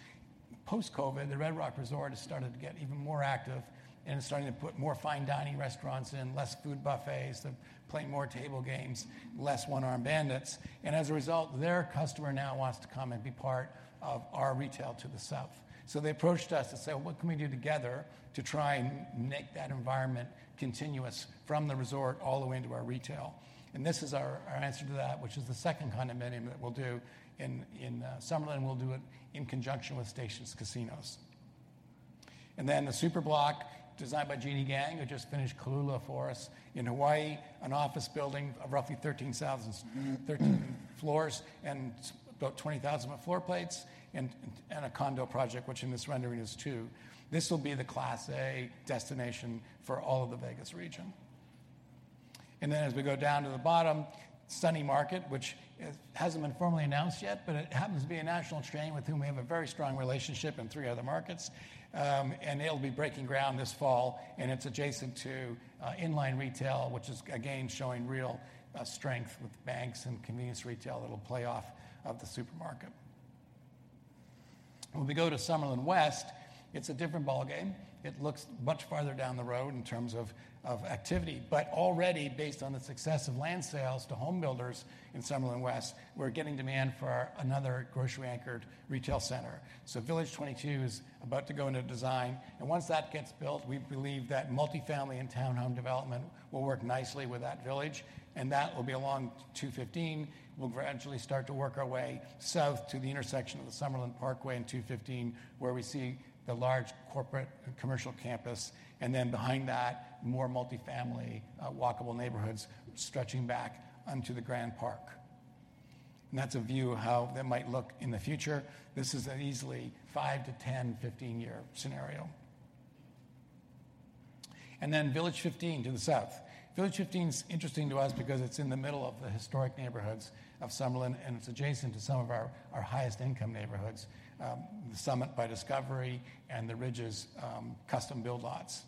Post-COVID, the Red Rock Resort has started to get even more active, and it's starting to put more fine dining restaurants in, less food buffets, and playing more table games, less one-armed bandits. And as a result, their customer now wants to come and be part of our retail to the south. So they approached us and said: "What can we do together to try and make that environment continuous from the resort all the way into our retail?" And this is our answer to that, which is the second condominium that we'll do in Summerlin. We'll do it in conjunction with Station Casinos. Then the superblock, designed by Jeanne Gang, who just finished Kō'ula for us in Hawaii, an office building of roughly 13,000, 13 floors and about 20,000 sq ft plates and a condo project, which in this rendering is two. This will be the Class A destination for all of the Vegas region. Then as we go down to the bottom, Sunny Market, which hasn't been formally announced yet, but it happens to be a national chain with whom we have a very strong relationship in three other markets. And they'll be breaking ground this fall, and it's adjacent to inline retail, which is again showing real strength with banks and convenience retail that'll play off of the supermarket. When we go to Summerlin West, it's a different ballgame. It looks much farther down the road in terms of activity, but already, based on the success of land sales to home builders in Summerlin West, we're getting demand for another grocery-anchored retail center. So Village 22 is about to go into design, and once that gets built, we believe that multifamily and townhome development will work nicely with that village. That will be along 215. We'll gradually start to work our way south to the intersection of the Summerlin Parkway and 215, where we see the large corporate and commercial campus, and then behind that, more multifamily, walkable neighborhoods stretching back onto the Grand Park. And that's a view of how that might look in the future. This is an easily five to 10, 15-year scenario. And then Village 15 to the south. Village 15 is interesting to us because it's in the middle of the historic neighborhoods of Summerlin, and it's adjacent to some of our, our highest income neighborhoods, The Summit by Discovery and The Ridges, custom build lots.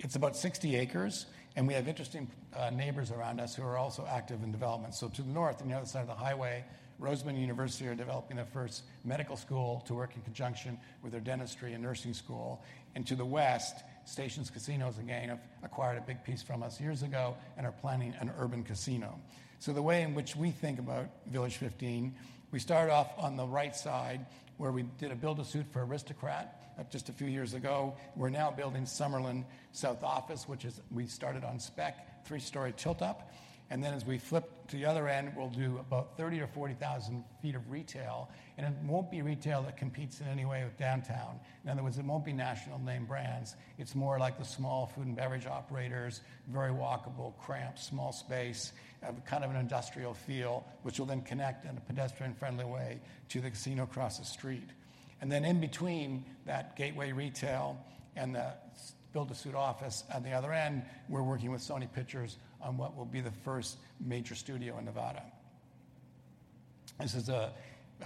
It's about 60 acres, and we have interesting neighbors around us who are also active in development. So to the north, on the other side of the highway, Roseman University are developing their first medical school to work in conjunction with their dentistry and nursing school. And to the west, Station Casinos again, have acquired a big piece from us years ago and are planning an urban casino. So the way in which we think about Village 15, we start off on the right side, where we did a build-to-suit for Aristocrat up just a few years ago. We're now building Summerlin South Office, which is. We started on spec, three-story tilt-up, and then as we flip to the other end, we'll do about 30,000 sq ft-40,000 sq ft of retail. It won't be retail that competes in any way with downtown. In other words, it won't be national name brands. It's more like the small food and beverage operators, very walkable, cramped, small space, kind of an industrial feel, which will then connect in a pedestrian-friendly way to the casino across the street. And then in between that gateway retail and the build-to-suit office on the other end, we're working with Sony Pictures on what will be the first major studio in Nevada. This is a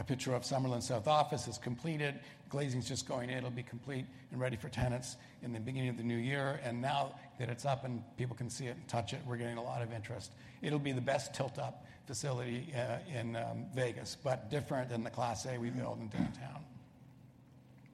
picture of Summerlin South office. It's completed. Glazing is just going in. It'll be complete and ready for tenants in the beginning of the new year. And now that it's up and people can see it and touch it, we're getting a lot of interest. It'll be the best Tilt-up facility in Vegas, but different than the Class A we build in downtown.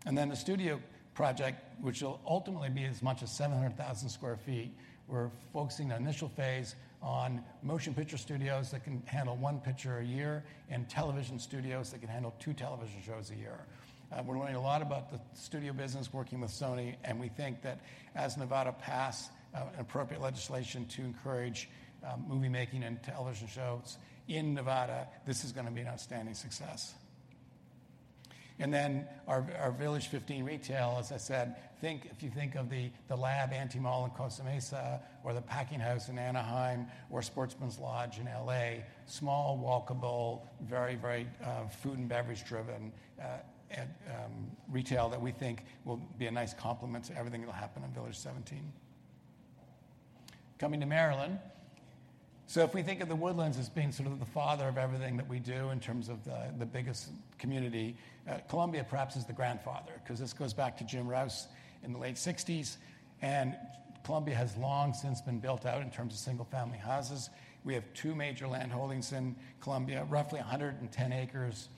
And then the studio project, which will ultimately be as much as 700,000 sq ft, we're focusing the initial phase on motion picture studios that can handle one picture a year and television studios that can handle two television shows a year. We're learning a lot about the studio business, working with Sony, and we think that as Nevada pass an appropriate legislation to encourage movie making and television shows in Nevada, this is going to be an outstanding success. And then our Village 15 retail, as I said, think—if you think of the Lab Anti-Mall in Costa Mesa or the Packing House in Anaheim or Sportsmen's Lodge in L.A., small, walkable, very, very, food and beverage-driven, and retail that we think will be a nice complement to everything that will happen in Village 17. Coming to Maryland. So if we think of The Woodlands as being sort of the father of everything that we do in terms of the biggest community, Columbia, perhaps, is the grandfather, 'cause this goes back to Jim Rouse in the late 1960s, and Columbia has long since been built out in terms of single-family houses. We have two major land holdings in Columbia, roughly 110 acres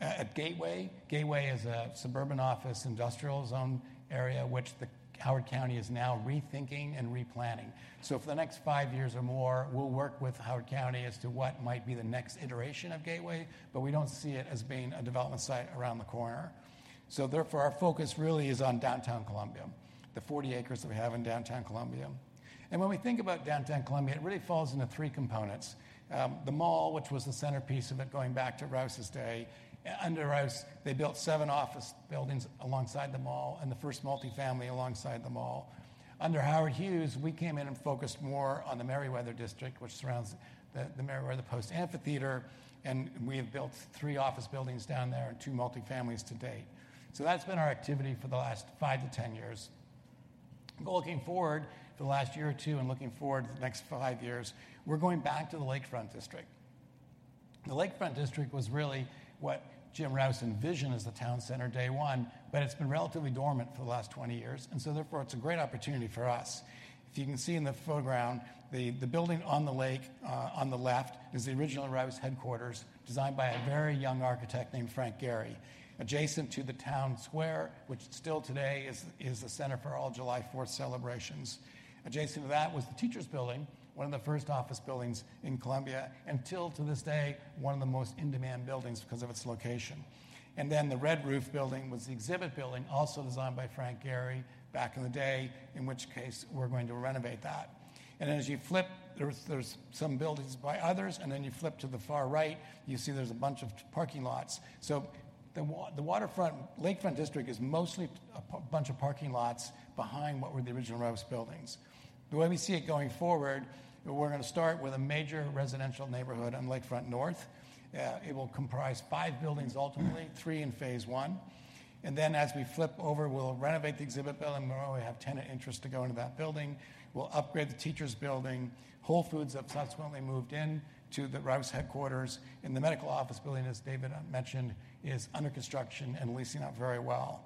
at Gateway. Gateway is a suburban office, industrial zone area, which Howard County is now rethinking and replanning. For the next five years or more, we'll work with Howard County as to what might be the next iteration of Gateway, but we don't see it as being a development site around the corner. Therefore, our focus really is on Downtown Columbia, the 40 acres that we have in Downtown Columbia. When we think about Downtown Columbia, it really falls into three components. The mall, which was the centerpiece of it, going back to Rouse's day. Under Rouse, they built seven office buildings alongside the mall and the first multifamily alongside the mall. Under Howard Hughes, we came in and focused more on the Merriweather District, which surrounds the Merriweather Post Pavilion, and we have built three office buildings down there and two multifamilies to date. So that's been our activity for the last five to 10 years. But looking forward to the last year or two and looking forward to the next five years, we're going back to the Lakefront District. The Lakefront District was really what James Rouse envisioned as the town center day one, but it's been relatively dormant for the last 20 years, and so therefore, it's a great opportunity for us. If you can see in the foreground, the building on the lake on the left is the original Rouse headquarters, designed by a very young architect named Frank Gehry, adjacent to the town square, which still today is the center for all July Fourth celebrations. Adjacent to that was the Exhibit Building, one of the first office buildings in Columbia, and to this day, one of the most in-demand buildings because of its location. And then the red roof building was the Exhibit Building, also designed by Frank Gehry back in the day, in which case we're going to renovate that. And then as you flip, there's some buildings by others, and then you flip to the far right, you see there's a bunch of parking lots. So the waterfront, Lakefront District is mostly a bunch of parking lots behind what were the original Rouse buildings. The way we see it going forward, we're going to start with a major residential neighborhood on Lakefront North. It will comprise five buildings, ultimately, three in phase one. And then as you flip over, we'll renovate the Exhibit Building. We already have tenant interest to go into that building. We'll upgrade the Teachers Building. Whole Foods have subsequently moved in to the Rouse headquarters, and the medical office building, as David mentioned, is under construction and leasing out very well.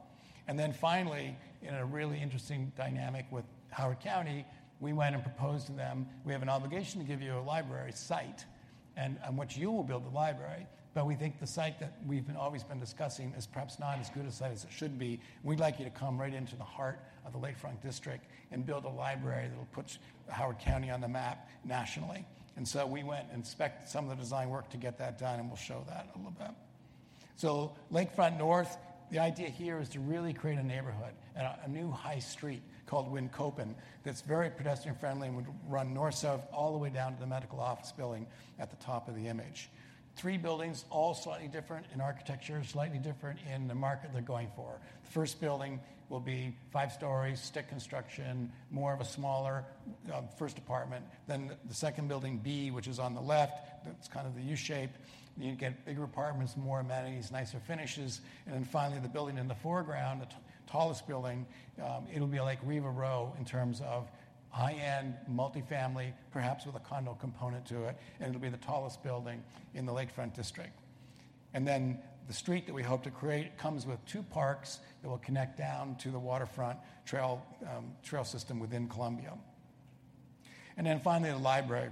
And then finally, in a really interesting dynamic with Howard County, we went and proposed to them, "We have an obligation to give you a library site and on which you will build the library. But we think the site that we've been always discussing is perhaps not as good a site as it should be. We'd like you to come right into the heart of the Lakefront District and build a library that will put Howard County on the map nationally." And so we went and spec'd some of the design work to get that done, and we'll show that in a little bit. So Lakefront North, the idea here is to really create a neighborhood and a new high street called Wincopin, that's very pedestrian-friendly and would run north-south all the way down to the medical office building at the top of the image. Three buildings, all slightly different in architecture, slightly different in the market they're going for. The first building will be five stories, stick construction, more of a smaller, first apartment. Then the second building B, which is on the left, that's kind of the U shape. You get bigger apartments, more amenities, nicer finishes. And then finally, the building in the foreground, the tallest building, it'll be like Riva Row in terms of high-end, multifamily, perhaps with a condo component to it, and it'll be the tallest building in the Lakefront district. And then the street that we hope to create comes with two parks that will connect down to the waterfront trail, trail system within Columbia. And then finally, the library.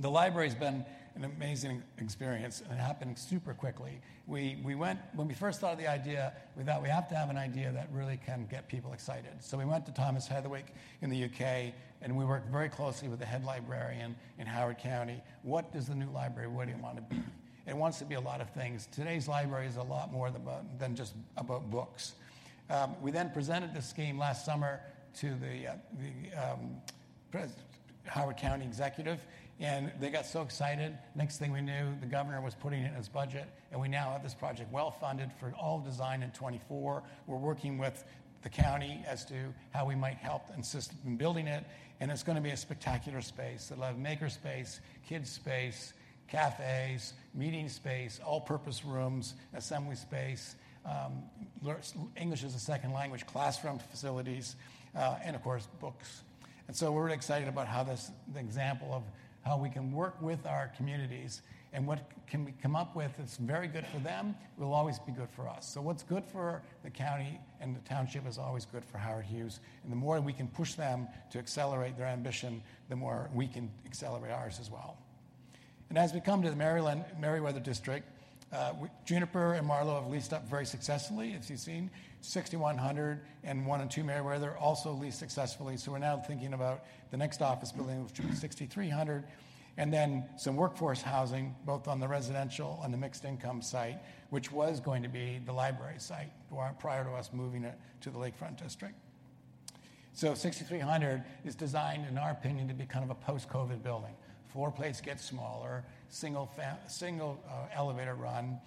The library's been an amazing experience, and it happened super quickly. When we first thought of the idea, we thought, we have to have an idea that really can get people excited. So we went to Thomas Heatherwick in the U.K, and we worked very closely with the head librarian in Howard County. "What does the new library, what do you want it to be?" It wants to be a lot of things. Today's library is a lot more than just about books. We then presented this scheme last summer to the Howard County Executive, and they got so excited. Next thing we knew, the governor was putting it in his budget, and we now have this project well-funded for all design in 2024. We're working with the county as to how we might help and assist in building it, and it's gonna be a spectacular space. It'll have maker space, kids' space, cafes, meeting space, all-purpose rooms, assembly space, learning English as a second language classroom facilities, and of course, books. And so we're really excited about how this an example of how we can work with our communities, and what can we come up with that's very good for them, will always be good for us. So what's good for the county and the township is always good for Howard Hughes, and the more we can push them to accelerate their ambition, the more we can accelerate ours as well. As we come to the Maryland Merriweather District, Juniper and Marlow have leased up very successfully, as you've seen. 6101 and 6102 Merriweather also leased successfully. So we're now thinking about the next office building, which will be 6300, and then some workforce housing, both on the residential and the mixed income site, which was going to be the library site, prior to us moving it to the Lakefront District. So 6300 is designed, in our opinion, to be kind of a post-COVID building. Floor plates get smaller, single elevator run,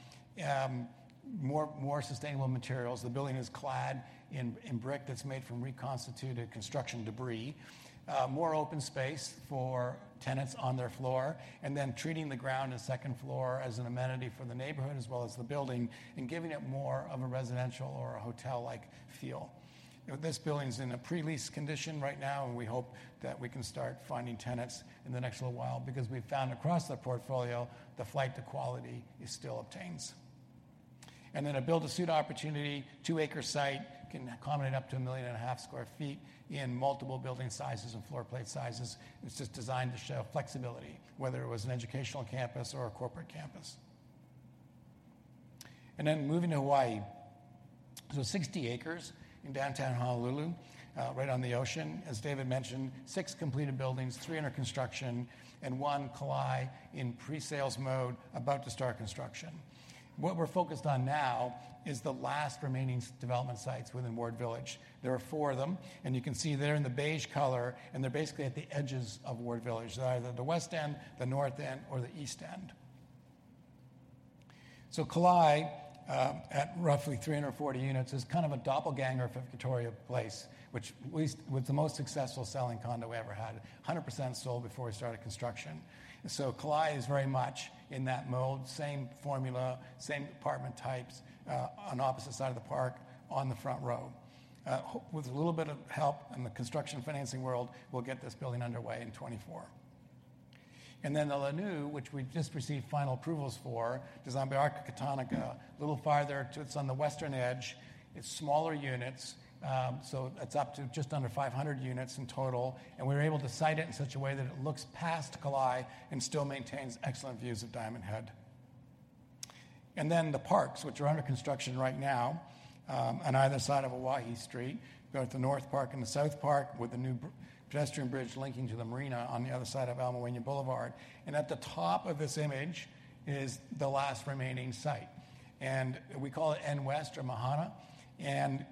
more sustainable materials. The building is clad in brick that's made from reconstituted construction debris. More open space for tenants on their floor, and then treating the ground and second floor as an amenity for the neighborhood, as well as the building, and giving it more of a residential or a hotel-like feel. You know, this building's in a pre-lease condition right now, and we hope that we can start finding tenants in the next little while because we've found across the portfolio, the flight to quality is still obtains. And then a build-to-suit opportunity, two-acre site can accommodate up to 1.5 million sq ft in multiple building sizes and floor plate sizes. It's just designed to show flexibility, whether it was an educational campus or a corporate campus. And then moving to Hawaii. So 60 acres in downtown Honolulu, right on the ocean. As David mentioned, six completed buildings, three under construction, and one, Kalae, in pre-sales mode, about to start construction. What we're focused on now is the last remaining development sites within Ward Village. There are four of them, and you can see they're in the beige color, and they're basically at the edges of Ward Village. They're either the west end, the north end, or the east end. So Kalae, at roughly 340 units, is kind of a doppelganger of Victoria Place, which was the most successful selling condo we ever had, 100% sold before we started construction. So Kalae is very much in that mold, same formula, same apartment types, on the opposite side of the park, on the front row. With a little bit of help in the construction financing world, we'll get this building underway in 2024. And then The Launiu, which we just received final approvals for, designed by Arquitectonica, a little farther, it's on the western edge. It's smaller units, so it's up to just under 500 units in total, and we were able to site it in such a way that it looks past Kalae and still maintains excellent views of Diamond Head. And then the parks, which are under construction right now, on either side of Auahi Street, you go to the North Park and the South Park, with a new pedestrian bridge linking to the marina on the other side of Ala Moana Boulevard. And at the top of this image is the last remaining site, and we call it N West or Mahana.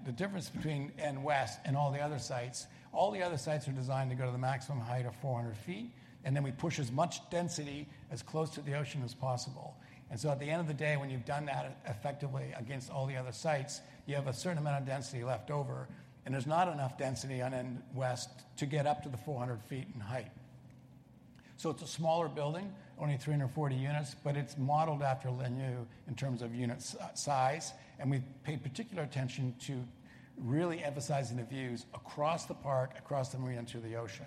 The difference between N West and all the other sites, all the other sites are designed to go to the maximum height of 400 ft, and then we push as much density as close to the ocean as possible. So at the end of the day, when you've done that effectively against all the other sites, you have a certain amount of density left over, and there's not enough density on N West to get up to the 400 ft in height. It's a smaller building, only 340 units, but it's modeled after Launiu in terms of unit size, and we paid particular attention to really emphasizing the views across the park, across the marina to the ocean.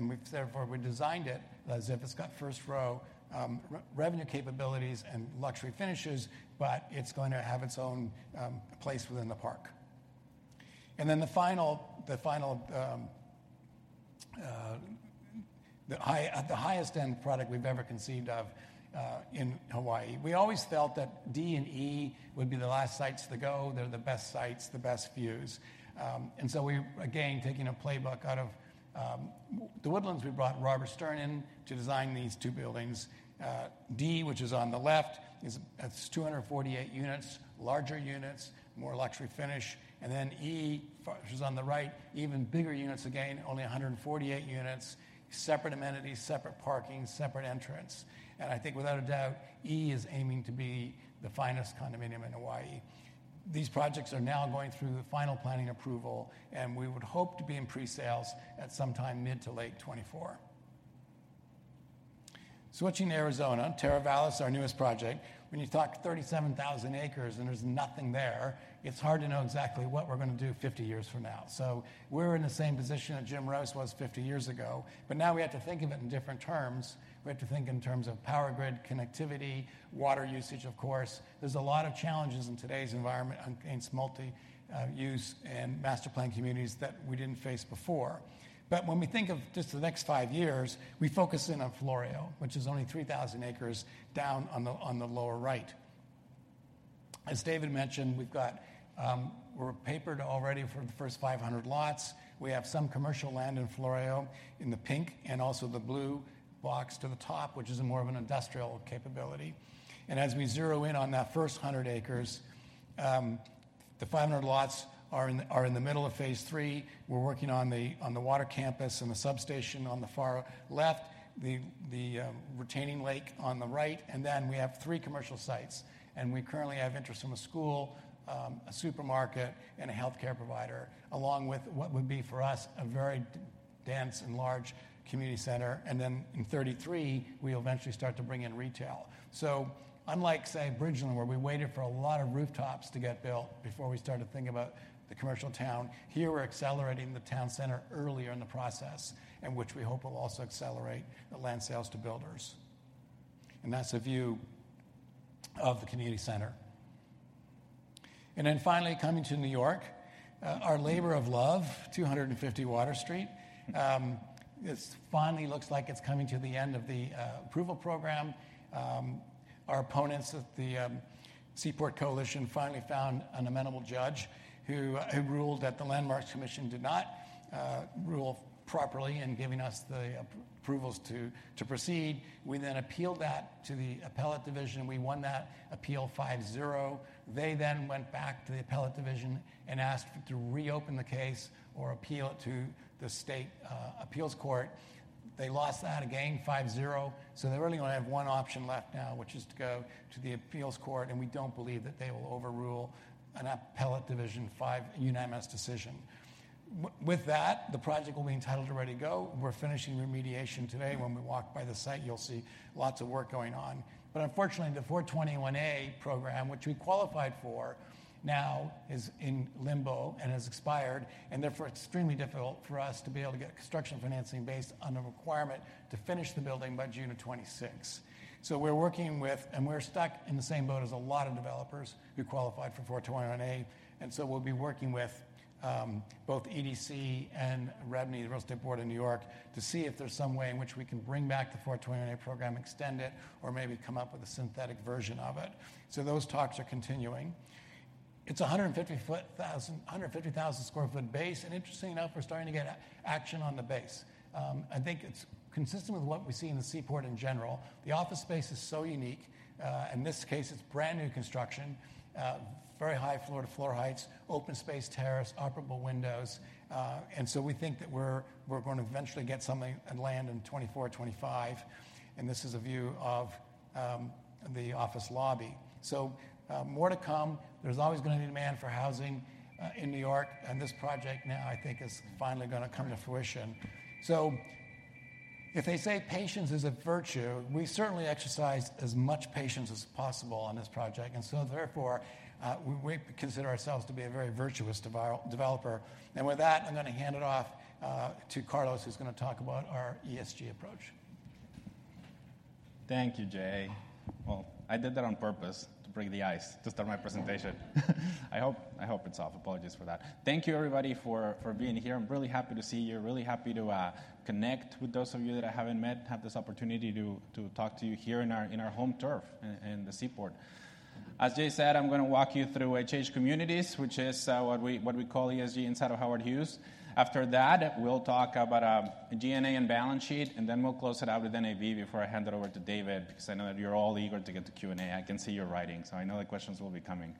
We've therefore designed it as if it's got first-row revenue capabilities and luxury finishes, but it's going to have its own place within the park. And then the final, the highest end product we've ever conceived of in Hawaii. We always felt that D and E would be the last sites to go. They're the best sites, the best views. And so we, again, taking a playbook out of The Woodlands, we brought Robert Stern in to design these two buildings. D, which is on the left, is, it's 248 units, larger units, more luxury finish. And then E, which is on the right, even bigger units again, only 148 units, separate amenities, separate parking, separate entrance. I think without a doubt, E is aiming to be the finest condominium in Hawaii. These projects are now going through the final planning approval, and we would hope to be in pre-sales at some time mid- to late 2024. Switching to Arizona, Teravalis, our newest project. When you talk 37,000 acres and there's nothing there, it's hard to know exactly what we're going to do 50 years from now. So we're in the same position that James Rouse was 50 years ago, but now we have to think of it in different terms. We have to think in terms of power grid, connectivity, water usage, of course. There's a lot of challenges in today's environment against multi-use and master plan communities that we didn't face before. But when we think of just the next five years, we focus in on Floreo, which is only 3,000 acres down on the, on the lower right. As David mentioned, we've got, we're papered already for the first 500 lots. We have some commercial land in Floreo in the pink and also the blue box to the top, which is more of an industrial capability. And as we zero in on that first 100 acres, the 500 lots are in, are in the middle of phase III. We're working on the, on the water campus and the substation on the far left, the, the, retaining lake on the right, and then we have three commercial sites. We currently have interest from a school, a supermarket, and a healthcare provider, along with what would be, for us, a very dense and large community center. Then in 33, we eventually start to bring in retail. So unlike, say, Bridgeland, where we waited for a lot of rooftops to get built before we started to think about the commercial town, here we're accelerating the town center earlier in the process, and which we hope will also accelerate the land sales to builders. And that's a view of the community center. Then finally, coming to New York, our labor of love, 250 Water Street. It finally looks like it's coming to the end of the approval program. Our opponents at the Seaport Coalition finally found an amenable judge who ruled that the Landmarks Commission did not rule properly in giving us the approvals to proceed. We then appealed that to the appellate division. We won that appeal 5-0. They then went back to the appellate division and asked to reopen the case or appeal it to the state appeals court. They lost that again, 5-0. So they really only have one option left now, which is to go to the appeals court, and we don't believe that they will overrule an appellate division five unanimous decision. With that, the project will be entitled and ready to go. We're finishing remediation today. When we walk by the site, you'll see lots of work going on. But unfortunately, the 421-a program, which we qualified for, now is in limbo and has expired, and therefore, extremely difficult for us to be able to get construction financing based on a requirement to finish the building by June of 2026. So we're working with-- and we're stuck in the same boat as a lot of developers who qualified for 421-a. And so we'll be working with both EDC and REBNY, the Real Estate Board of New York, to see if there's some way in which we can bring back the 421-a program, extend it, or maybe come up with a synthetic version of it. So those talks are continuing. It's a 150,000 sq ft base, and interestingly enough, we're starting to get action on the base. I think it's consistent with what we see in the Seaport in general. The office space is so unique. In this case, it's brand-new construction, very high floor to floor heights, open space terrace, operable windows. And so we think that we're going to eventually get something and land in 2024, 2025, and this is a view of the office lobby. So, more to come. There's always going to be demand for housing in New York, and this project now, I think, is finally gonna come to fruition. So if they say patience is a virtue, we certainly exercised as much patience as possible on this project, and so therefore, we consider ourselves to be a very virtuous developer. And with that, I'm going to hand it off to Carlos, who's going to talk about our ESG approach. Thank you, Jay. Well, I did that on purpose, to break the ice, to start my presentation. I hope, I hope it's off. Apologies for that. Thank you, everybody, for being here. I'm really happy to see you. Really happy to connect with those of you that I haven't met, have this opportunity to talk to you here in our home turf, in the Seaport. As Jay said, I'm going to walk you through HH Communities, which is what we, what we call ESG inside of Howard Hughes. After that, we'll talk about GAAP and balance sheet, and then we'll close it out with NAV before I hand it over to David, because I know that you're all eager to get to Q&A. I can see you writing, so I know the questions will be coming.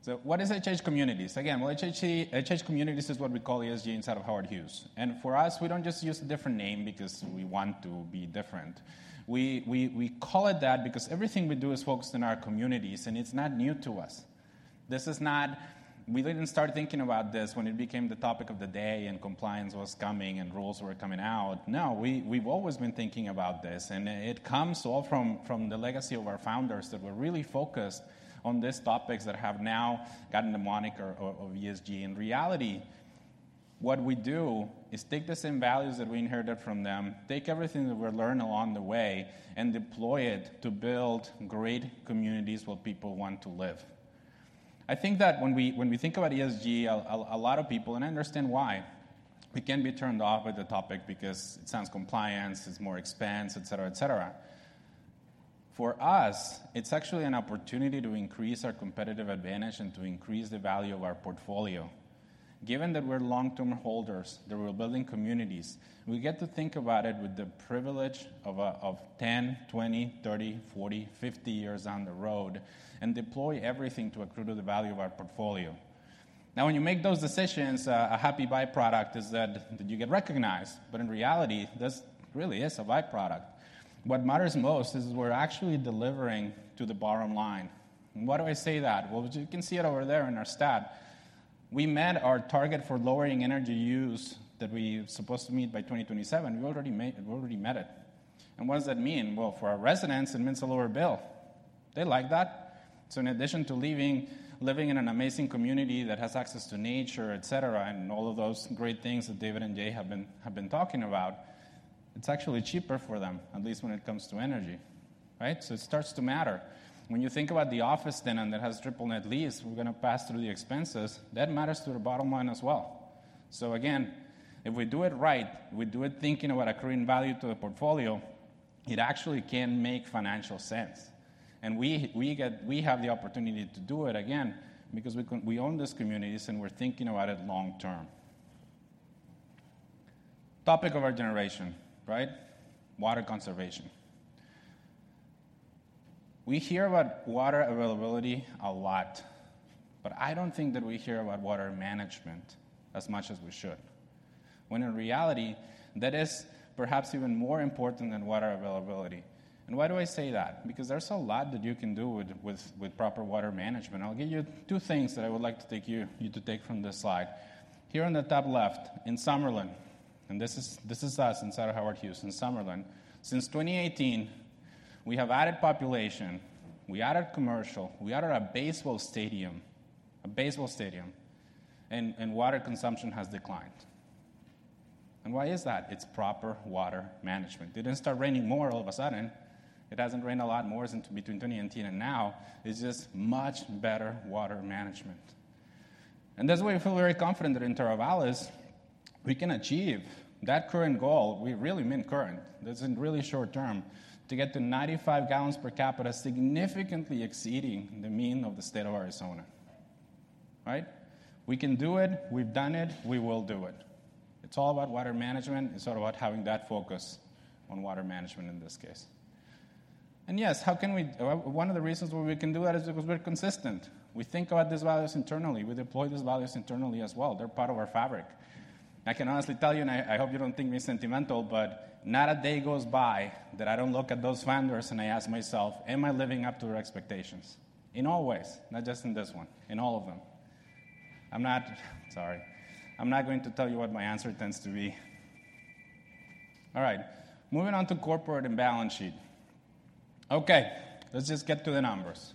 So what is HH Communities? Again, well, HH Communities is what we call ESG inside of Howard Hughes. And for us, we don't just use a different name because we want to be different. We call it that because everything we do is focused on our communities, and it's not new to us. This is not. We didn't start thinking about this when it became the topic of the day, and compliance was coming and rules were coming out. No, we've always been thinking about this, and it comes all from the legacy of our founders that were really focused on these topics that have now gotten the moniker of ESG. In reality, what we do is take the same values that we inherited from them, take everything that we've learned along the way, and deploy it to build great communities where people want to live. I think that when we think about ESG, a lot of people, and I understand why, we can be turned off by the topic because it sounds compliance, it's more expense, et cetera, et cetera. For us, it's actually an opportunity to increase our competitive advantage and to increase the value of our portfolio. Given that we're long-term holders, that we're building communities, we get to think about it with the privilege of 10, 20, 30, 40, 50 years down the road and deploy everything to accrue to the value of our portfolio. Now, when you make those decisions, a happy by-product is that you get recognized, but in reality, this really is a by-product. What matters most is we're actually delivering to the bottom line. Why do I say that? Well, you can see it over there in our stat. We met our target for lowering energy use that we supposed to meet by 2027. We already met it. What does that mean? Well, for our residents, it means a lower bill. They like that. So in addition to living in an amazing community that has access to nature, et cetera, and all of those great things that David and Jay have been talking about, it's actually cheaper for them, at least when it comes to energy, right? So it starts to matter. When you think about the office tenant that has triple net lease, we're going to pass through the expenses. That matters to the bottom line as well. So again, if we do it right, we do it thinking about accruing value to the portfolio, it actually can make financial sense. We have the opportunity to do it again because we own these communities, and we're thinking about it long term. Topic of our generation, right? Water conservation. We hear about water availability a lot, but I don't think that we hear about water management as much as we should, when in reality, that is perhaps even more important than water availability. And why do I say that? Because there's a lot that you can do with proper water management. I'll give you two things that I would like you to take from this slide. Here on the top left, in Summerlin, and this is us inside of Howard Hughes in Summerlin. Since 2018, we have added population, we added commercial, we added a baseball stadium, and water consumption has declined. Why is that? It's proper water management. It didn't start raining more all of a sudden. It hasn't rained a lot more since between 2018 and now. It's just much better water management. That's why we feel very confident that in Teravalis, we can achieve that current goal. We really mean current. That's in really short term, to get to 95 gallons per capita, significantly exceeding the mean of the state of Arizona. Right? We can do it, we've done it, we will do it. It's all about water management. It's all about having that focus on water management in this case. Yes, how can we? One of the reasons why we can do that is because we're consistent. We think about these values internally. We deploy these values internally as well. They're part of our fabric. I can honestly tell you, and I, I hope you don't think me sentimental, but not a day goes by that I don't look at those founders and I ask myself, "Am I living up to their expectations?" In all ways, not just in this one, in all of them. I'm not. Sorry. I'm not going to tell you what my answer tends to be. All right. Moving on to corporate and balance sheet. Okay, let's just get to the numbers.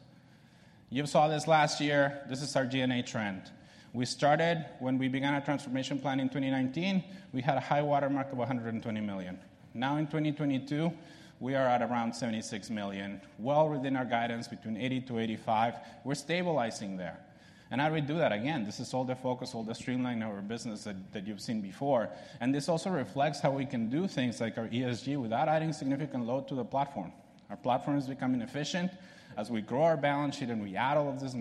You saw this last year. This is our G&A trend. We started. When we began our transformation plan in 2019, we had a high-water mark of $120 million. Now, in 2022, we are at around $76 million, well within our guidance between $80 million-$85 million. We're stabilizing there. How do we do that? Again, this is all the focus, all the streamlining of our business that you've seen before. And this also reflects how we can do things like our ESG without adding significant load to the platform. Our platform is becoming efficient. As we grow our balance sheet and we add all of these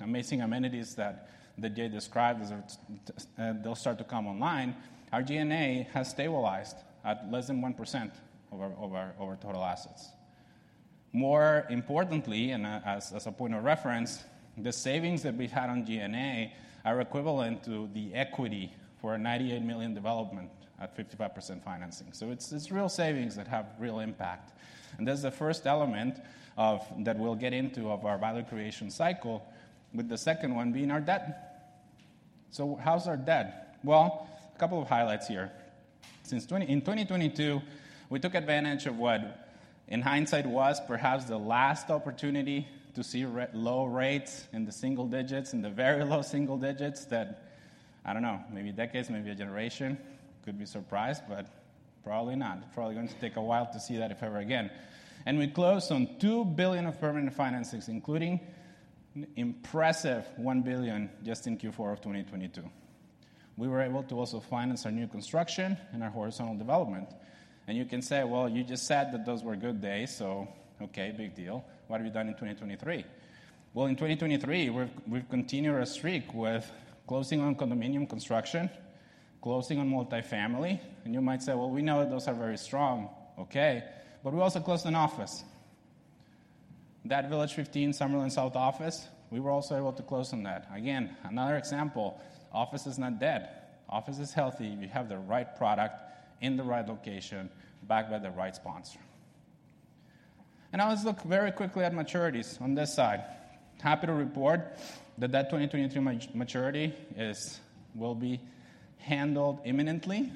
amazing amenities that Jay described as, and they'll start to come online, our G&A has stabilized at less than 1% of our total assets. More importantly, and as a point of reference, the savings that we've had on G&A are equivalent to the equity for a $98 million development at 55% financing. So it's real savings that have real impact, and that's the first element of—that we'll get into of our value creation cycle, with the second one being our debt. So how's our debt? Well, a couple of highlights here. In 2022, we took advantage of what, in hindsight, was perhaps the last opportunity to see low rates in the single digits, in the very low single digits that, I don't know, maybe a decade, maybe a generation, could be surprised, but probably not. Probably going to take a while to see that, if ever again. And we closed on $2 billion of permanent financings, including an impressive $1 billion just in Q4 of 2022. We were able to also finance our new construction and our horizontal development. And you can say, "Well, you just said that those were good days, so okay, big deal. What have you done in 2023?" Well, in 2023, we've continued our streak with closing on condominium construction, closing on multifamily, and you might say, "Well, we know those are very strong." Okay, but we also closed an office. That Village 15, Summerlin South office, we were also able to close on that. Again, another example, office is not dead. Office is healthy if you have the right product in the right location, backed by the right sponsor. And now, let's look very quickly at maturities on this side. Happy to report that 2022 maturity will be handled imminently.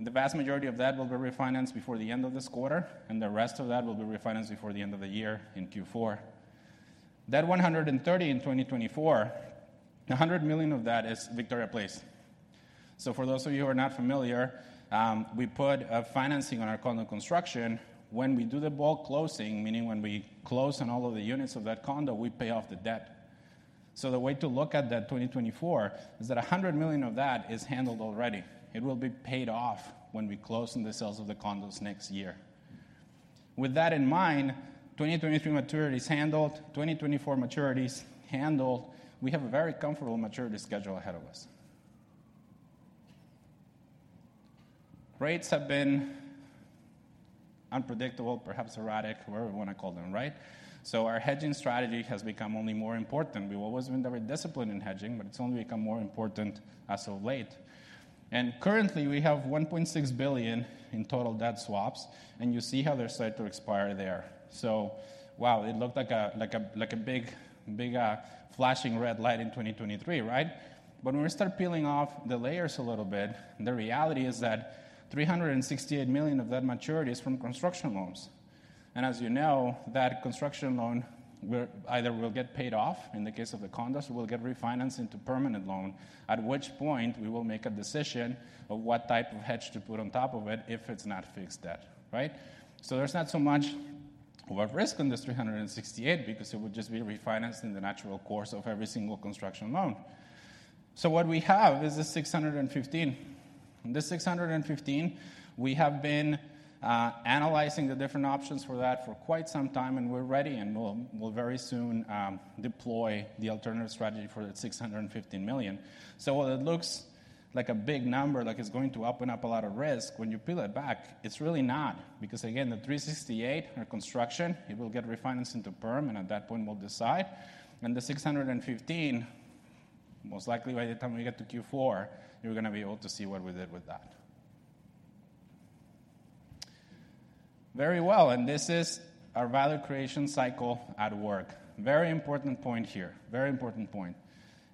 The vast majority of that will be refinanced before the end of this quarter, and the rest of that will be refinanced before the end of the year, in Q4. That $130 million in 2024, $100 million of that is Victoria Place. So for those of you who are not familiar, we put a financing on our condo construction. When we do the bulk closing, meaning when we close on all of the units of that condo, we pay off the debt. So the way to look at that 2024 is that $100 million of that is handled already. It will be paid off when we close on the sales of the condos next year. With that in mind, 2023 maturity is handled, 2024 maturity is handled. We have a very comfortable maturity schedule ahead of us. Rates have been unpredictable, perhaps erratic, whatever you want to call them, right? So our hedging strategy has become only more important. We've always been very disciplined in hedging, but it's only become more important as of late. And currently, we have $1.6 billion in total debt swaps, and you see how they're set to expire there. So wow, it looked like a big flashing red light in 2023, right? But when we start peeling off the layers a little bit, the reality is that $368 million of that maturity is from construction loans. And as you know, that construction loan will either get paid off, in the case of the condos, or will get refinanced into permanent loan, at which point we will make a decision of what type of hedge to put on top of it if it's not fixed debt, right? So there's not so much of a risk in this $368 million because it would just be refinanced in the natural course of every single construction loan. So what we have is the $615 million. The $615 million, we have been analyzing the different options for that for quite some time, and we're ready, and we'll very soon deploy the alternative strategy for that $615 million. So while it looks like a big number, like it's going to open up a lot of risk, when you peel it back, it's really not. Because again, the $368 million, our construction, it will get refinanced into perm, and at that point, we'll decide. And the $615 million, most likely by the time we get to Q4, you're gonna be able to see what we did with that. Very well, and this is our value creation cycle at work. Very important point here. Very important point.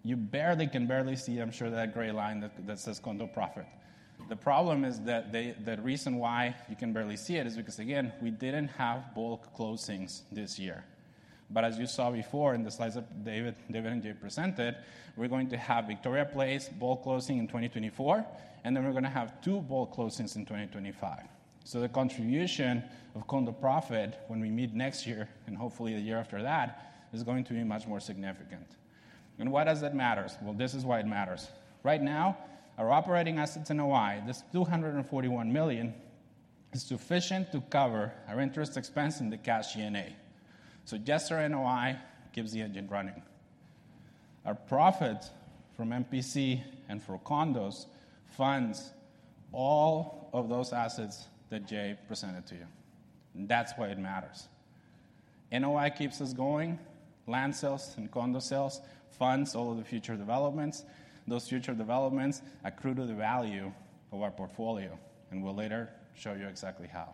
You can barely see, I'm sure, that gray line that says condo profit. The problem is that the reason why you can barely see it is because, again, we didn't have bulk closings this year. But as you saw before in the slides that David and Jay presented, we're going to have Victoria Place bulk closing in 2024, and then we're gonna have two bulk closings in 2025. So the contribution of condo profit when we meet next year, and hopefully the year after that, is going to be much more significant. And why does that matter? Well, this is why it matters. Right now, our operating assets NOI, this $241 million, is sufficient to cover our interest expense and the cash G&A. So yes, our NOI keeps the engine running. Our profit from MPC and for condos funds all of those assets that Jay presented to you, and that's why it matters. NOI keeps us going, land sales and condo sales, funds all of the future developments. Those future developments accrue to the value of our portfolio, and we'll later show you exactly how.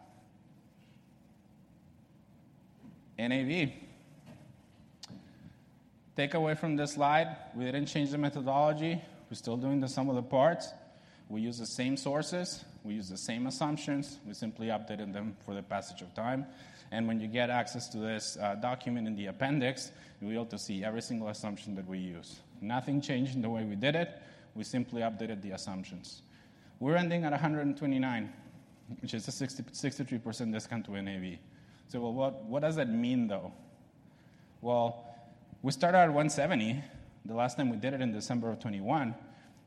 NAV. Takeaway from this slide, we didn't change the methodology. We're still doing the sum of the parts. We use the same sources. We use the same assumptions. We simply updated them for the passage of time. And when you get access to this document in the appendix, you'll be able to see every single assumption that we use. Nothing changed in the way we did it. We simply updated the assumptions. We're ending at 129, which is a 63% discount to NAV. So what, what does that mean, though? Well, we started at 170 the last time we did it in December 2021. It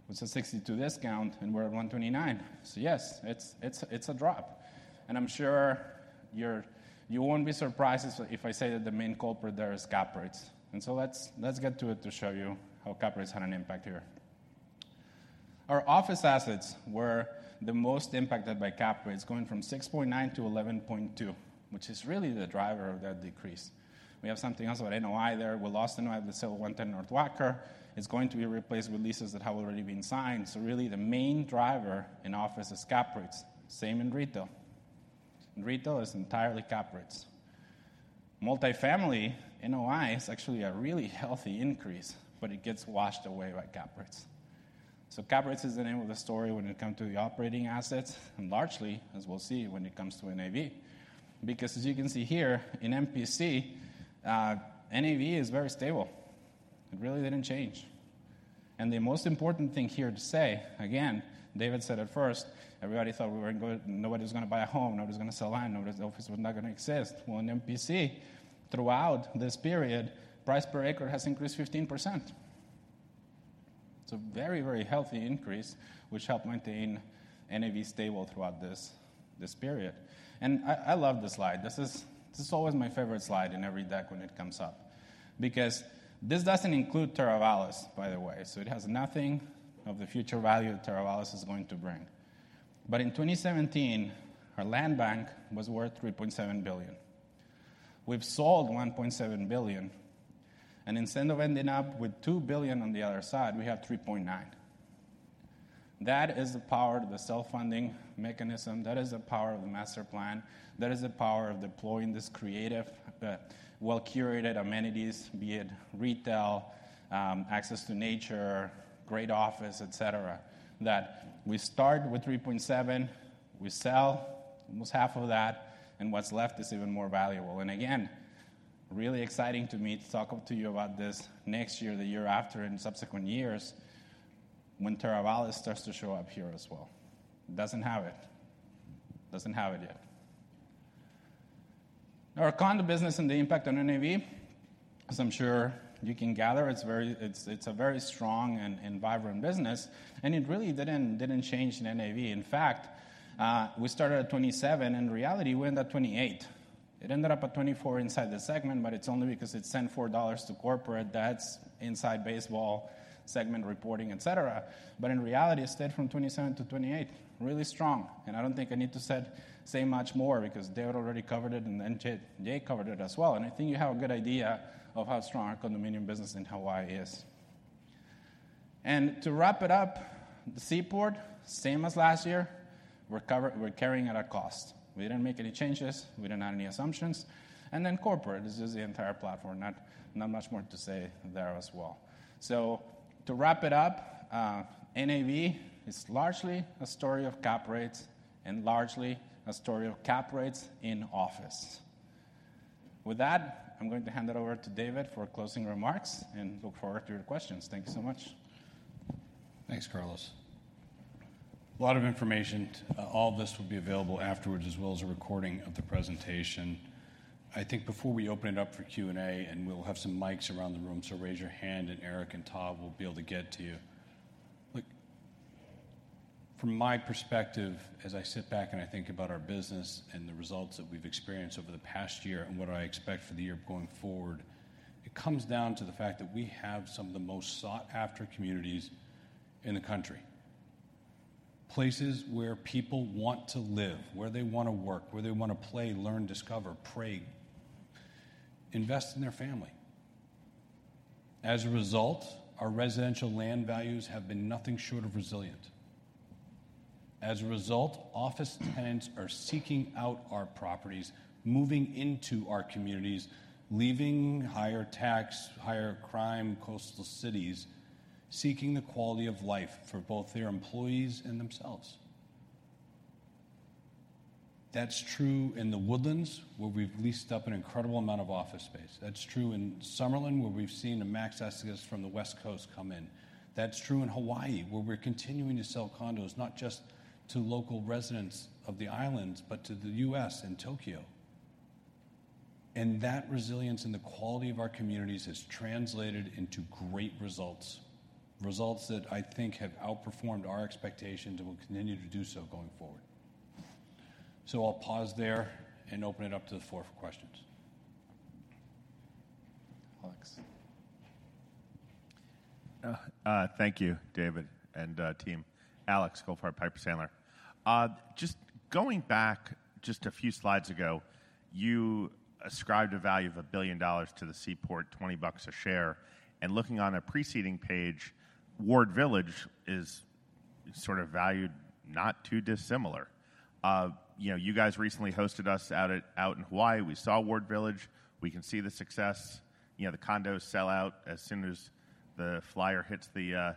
was a 62% discount, and we're at 129. So yes, it's, it's, it's a drop. And I'm sure you're you won't be surprised if, if I say that the main culprit there is cap rates. And so let's, let's get to it to show you how cap rates had an impact here. Our office assets were the most impacted by cap rates, going from 6.9 to 11.2, which is really the driver of that decrease. We have something else about NOI there. We lost NOI at the sale of 110 North Wacker. It's going to be replaced with leases that have already been signed. So really, the main driver in office is cap rates. Same in retail. In retail, it's entirely cap rates. Multifamily NOI is actually a really healthy increase, but it gets washed away by cap rates. So cap rates is the name of the story when it comes to the operating assets and largely, as we'll see, when it comes to NAV. Because as you can see here in MPC, NAV is very stable. It really didn't change. And the most important thing here to say, again, David said at first, everybody thought we weren't going. Nobody was gonna buy a home, nobody was gonna sell land, nobody's office was not gonna exist. Well, in MPC, throughout this period, price per acre has increased 15%. It's a very, very healthy increase, which helped maintain NAV stable throughout this period. And I love this slide. This is, this is always my favorite slide in every deck when it comes up, because this doesn't include Teravalis, by the way, so it has nothing of the future value Teravalis is going to bring. But in 2017, our land bank was worth $3.7 billion. We've sold $1.7 billion, and instead of ending up with $2 billion on the other side, we have $3.9 billion. That is the power of the self-funding mechanism. That is the power of the master plan. That is the power of deploying these creative, well-curated amenities, be it retail, access to nature, great office, et cetera. That we start with $3.7 billion, we sell almost half of that, and what's left is even more valuable. And again, really exciting to me to talk to you about this next year, the year after, and subsequent years when Teravalis starts to show up here as well. Doesn't have it. Doesn't have it yet. Our condo business and the impact on NAV, as I'm sure you can gather, it's very, it's a very strong and vibrant business, and it really didn't change the NAV. In fact, we started at $27, in reality, we ended at $28. It ended up at $24 inside the segment, but it's only because it sent $4 to corporate. That's inside baseball segment reporting, et cetera. But in reality, it stayed from $27 to $28. Really strong, and I don't think I need to say much more because David already covered it, and then Jay covered it as well. I think you have a good idea of how strong our condominium business in Hawaii is. To wrap it up, the Seaport, same as last year, we're carrying at a cost. We didn't make any changes, we didn't add any assumptions. Then corporate, this is the entire platform, not much more to say there as well. To wrap it up, NAV is largely a story of cap rates and largely a story of cap rates in office. With that, I'm going to hand it over to David for closing remarks and look forward to your questions. Thank you so much. Thanks, Carlos. A lot of information. All this will be available afterwards, as well as a recording of the presentation. I think before we open it up for Q&A, and we'll have some mics around the room, so raise your hand, and Eric and Todd will be able to get to you. Look, from my perspective, as I sit back and I think about our business and the results that we've experienced over the past year and what I expect for the year going forward, it comes down to the fact that we have some of the most sought-after communities in the country. Places where people want to live, where they want to work, where they want to play, learn, discover, pray, invest in their family. As a result, our residential land values have been nothing short of resilient. As a result, office tenants are seeking out our properties, moving into our communities, leaving higher tax, higher crime, coastal cities, seeking the quality of life for both their employees and themselves. That's true in The Woodlands, where we've leased up an incredible amount of office space. That's true in Summerlin, where we've seen the mass exodus from the West Coast come in. That's true in Hawaii, where we're continuing to sell condos, not just to local residents of the islands, but to the U.S. and Tokyo. That resilience and the quality of our communities has translated into great results, results that I think have outperformed our expectations and will continue to do so going forward. So I'll pause there and open it up to the floor for questions. Alex? Thank you, David and team. Alex Goldfarb, Piper Sandler. Just going back just a few slides ago, you ascribed a value of $1 billion to the Seaport, $20 a share, and looking on a preceding page, Ward Village is sort of valued not too dissimilar. You know, you guys recently hosted us out in Hawaii. We saw Ward Village. We can see the success. You know, the condos sell out as soon as the flyer hits the,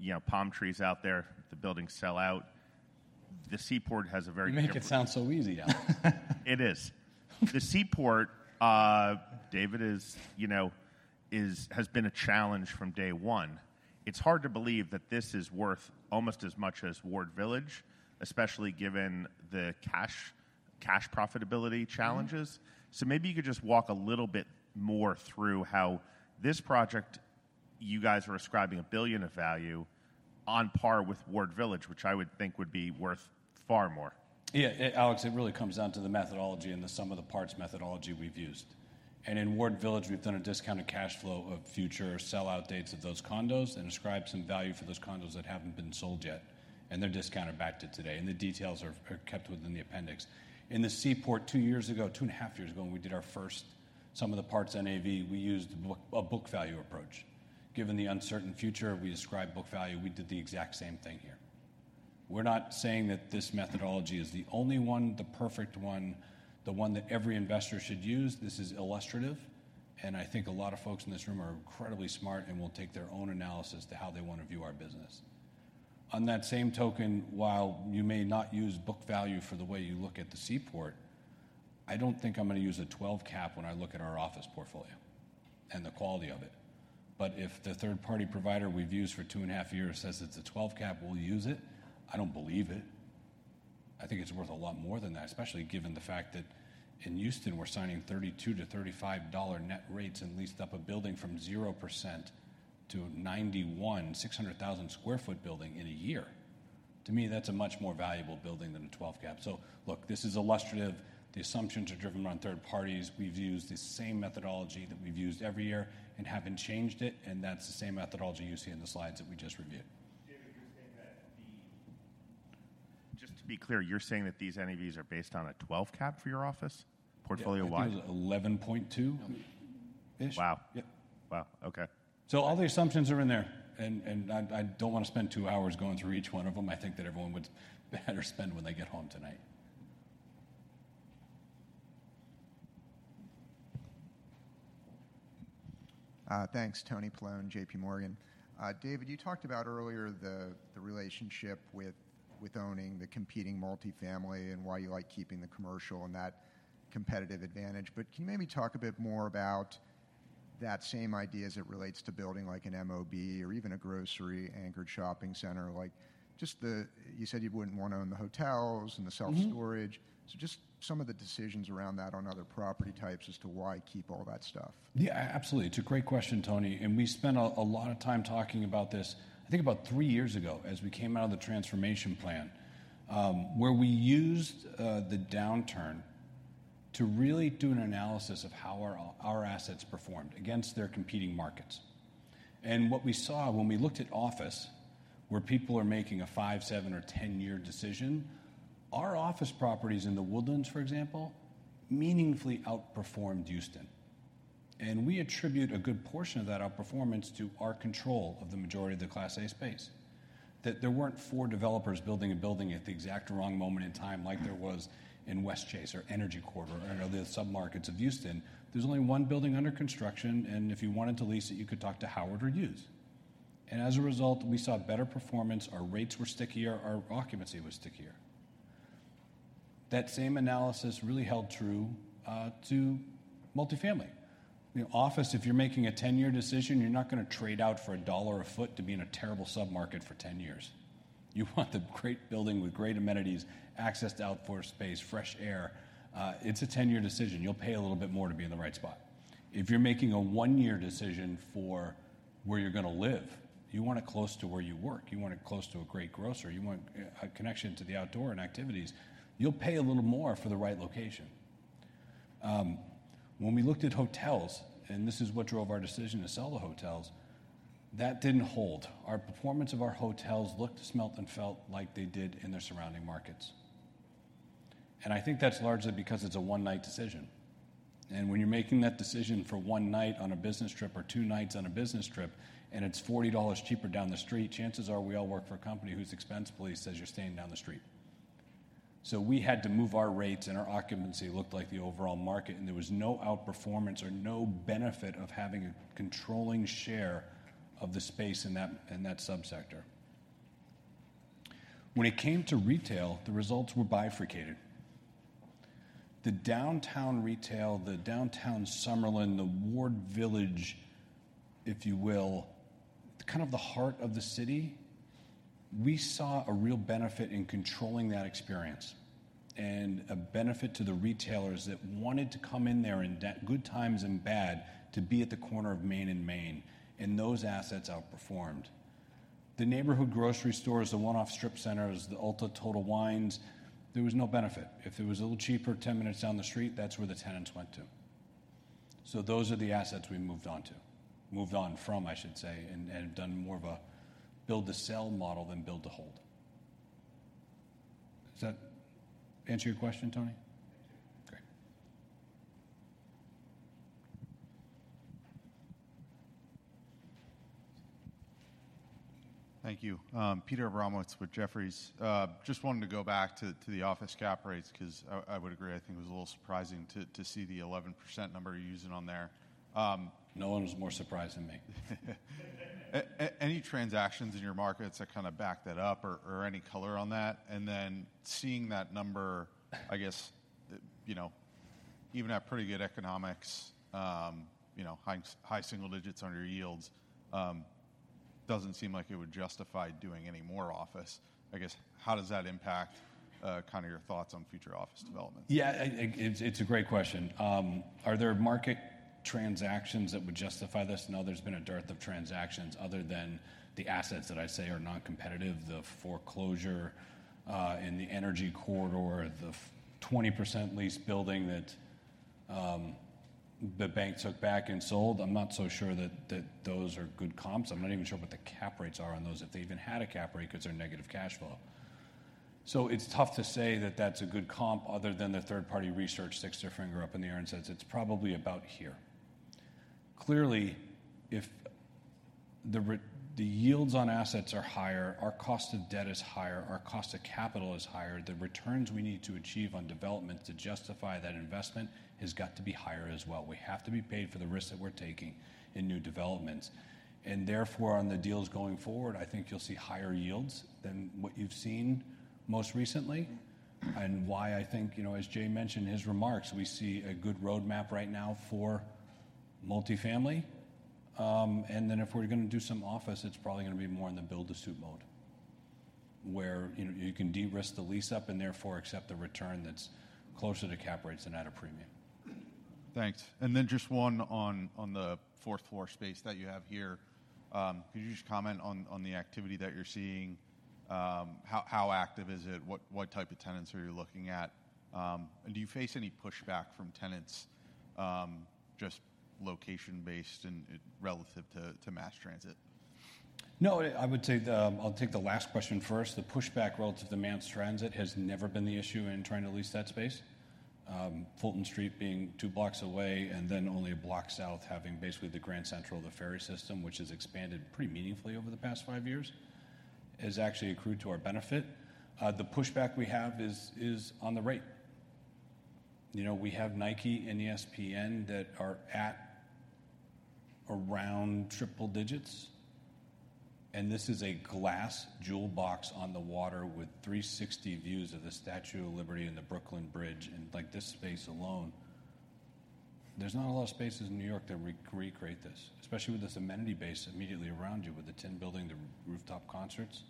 you know, palm trees out there, the buildings sell out. The Seaport has a very- You make it sound so easy, Alex. It is. The Seaport, David, you know, has been a challenge from day one. It's hard to believe that this is worth almost as much as Ward Village, especially given the cash, cash profitability challenges. Maybe you could just walk a little bit more through how this project, you guys are ascribing $1 billion of value on par with Ward Village, which I would think would be worth far more. Yeah, yeah, Alex, it really comes down to the methodology and the sum of the parts methodology we've used. In Ward Village, we've done a discounted cash flow of future sellout dates of those condos and ascribed some value for those condos that haven't been sold yet, and they're discounted back to today, and the details are kept within the appendix. In the Seaport, two years ago, two and a half years ago, when we did our first sum of the parts NAV, we used book value approach. Given the uncertain future, we described book value, we did the exact same thing here. We're not saying that this methodology is the only one, the perfect one, the one that every investor should use. This is illustrative, and I think a lot of folks in this room are incredibly smart and will take their own analysis to how they want to view our business. On that same token, while you may not use book value for the way you look at the Seaport, I don't think I'm going to use a 12 cap when I look at our office portfolio and the quality of it. But if the third-party provider we've used for two and a half years says it's a 12 cap, we'll use it. I don't believe it. I think it's worth a lot more than that, especially given the fact that in Houston, we're signing $32-$35 net rates and leased up a building from 0% to 91%, 600,000 sq ft building in a year. To me, that's a much more valuable building than a 12 cap. So look, this is illustrative. The assumptions are driven around third parties. We've used the same methodology that we've used every year and haven't changed it, and that's the same methodology you see in the slides that we just reviewed. David, you're saying that. Just to be clear, you're saying that these NAVs are based on a 12 cap for your office portfolio-wide? I think it was 11.2- Okay. -ish. Wow! Yep. Wow. Okay. So all the assumptions are in there, and I don't want to spend two hours going through each one of them. I think that everyone would better spend when they get home tonight. Thanks, Anthony Paolone, JPMorgan. David, you talked about earlier the relationship with owning the competing multifamily and why you like keeping the commercial and that competitive advantage. But can you maybe talk a bit more about that same idea as it relates to building, like an MOB or even a grocery-anchored shopping center, like just the. You said you wouldn't wanna own the hotels and the self- Mm-hmm. Storage. So just some of the decisions around that on other property types as to why keep all that stuff? Yeah, absolutely. It's a great question, Tony, and we spent a lot of time talking about this, I think about 3 years ago, as we came out of the transformation plan. Where we used the downturn to really do an analysis of how our assets performed against their competing markets. And what we saw when we looked at office, where people are making a five-, seven-, or 10-year decision, our office properties in The Woodlands, for example, meaningfully outperformed Houston. And we attribute a good portion of that outperformance to our control of the majority of the Class A space. That there weren't four developers building a building at the exact wrong moment in time, like there was in Westchase or Energy Corridor or other submarkets of Houston. There's only one building under construction, and if you wanted to lease it, you could talk to Howard or Hughes. As a result, we saw better performance, our rates were stickier, our occupancy was stickier. That same analysis really held true to multifamily. You know, office, if you're making a 10-year decision, you're not gonna trade out for $1 a foot to be in a terrible submarket for 10 years. You want a great building with great amenities, access to outdoor space, fresh air. It's a 10-year decision. You'll pay a little bit more to be in the right spot. If you're making a one-year decision for where you're gonna live, you want it close to where you work. You want it close to a great grocer. You want a connection to the outdoor and activities. You'll pay a little more for the right location. When we looked at hotels, and this is what drove our decision to sell the hotels, that didn't hold. Our performance of our hotels looked, smelled, and felt like they did in their surrounding markets. And I think that's largely because it's a one-night decision. And when you're making that decision for one night on a business trip or two nights on a business trip, and it's $40 cheaper down the street, chances are we all work for a company whose expense policy says you're staying down the street. So we had to move our rates, and our occupancy looked like the overall market, and there was no outperformance or no benefit of having a controlling share of the space in that, in that subsector. When it came to retail, the results were bifurcated. The downtown retail, the Downtown Summerlin, the Ward Village, if you will, kind of the heart of the city, we saw a real benefit in controlling that experience, and a benefit to the retailers that wanted to come in there in the good times and bad, to be at the corner of Main and Main, and those assets outperformed. The neighborhood grocery stores, the one-off strip centers, the Ulta, Total Wines, there was no benefit. If it was a little cheaper ten minutes down the street, that's where the tenants went to. So those are the assets we moved on to. Moved on from, I should say, and, and done more of a build-to-sell model than build-to-hold. Does that answer your question, Tony? It did. Great. Thank you. Peter Abramowitz with Jefferies. Just wanted to go back to the office cap rates, 'cause I would agree, I think it was a little surprising to see the 11% number you're using on there. No one was more surprised than me. Any transactions in your markets that kind of back that up or any color on that? And then seeing that number, I guess, you know, even at pretty good economics, you know, high single digits on your yields, doesn't seem like it would justify doing any more office. I guess, how does that impact kind of your thoughts on future office development? Yeah, it's a great question. Are there market transactions that would justify this? No, there's been a dearth of transactions other than the assets that I say are non-competitive, the foreclosure in the Energy Corridor, the 20% leased building that the bank took back and sold. I'm not so sure that those are good comps. I'm not even sure what the cap rates are on those, if they even had a cap rate, 'cause they're negative cash flow. So it's tough to say that that's a good comp, other than the third-party research sticks their finger up in the air and says, "It's probably about here." Clearly, if the yields on assets are higher, our cost of debt is higher, our cost of capital is higher, the returns we need to achieve on development to justify that investment has got to be higher as well. We have to be paid for the risk that we're taking in new developments. And therefore, on the deals going forward, I think you'll see higher yields than what you've seen most recently. And why I think, you know, as Jay mentioned in his remarks, we see a good roadmap right now for multifamily. And then if we're gonna do some office, it's probably gonna be more in the build-to-suit mode, where you can de-risk the lease up and therefore accept a return that's closer to cap rates than at a premium. Thanks. And then just one on the fourth floor space that you have here. Could you just comment on the activity that you're seeing? How active is it? What type of tenants are you looking at? And do you face any pushback from tenants, just location-based and relative to mass transit? No, I would say the, I'll take the last question first. The pushback relative to mass transit has never been the issue in trying to lease that space. Fulton Street being two blocks away, and then only a block south, having basically the Grand Central, the ferry system, which has expanded pretty meaningfully over the past five years, has actually accrued to our benefit. The pushback we have is on the rate. You know, we have Nike and ESPN that are at around triple digits, and this is a glass jewel box on the water with 360 views of the Statue of Liberty and the Brooklyn Bridge. And like, this space alone, there's not a lot of spaces in New York that recreate this, especially with this amenity base immediately around you, with the Tin Building, the rooftop concerts.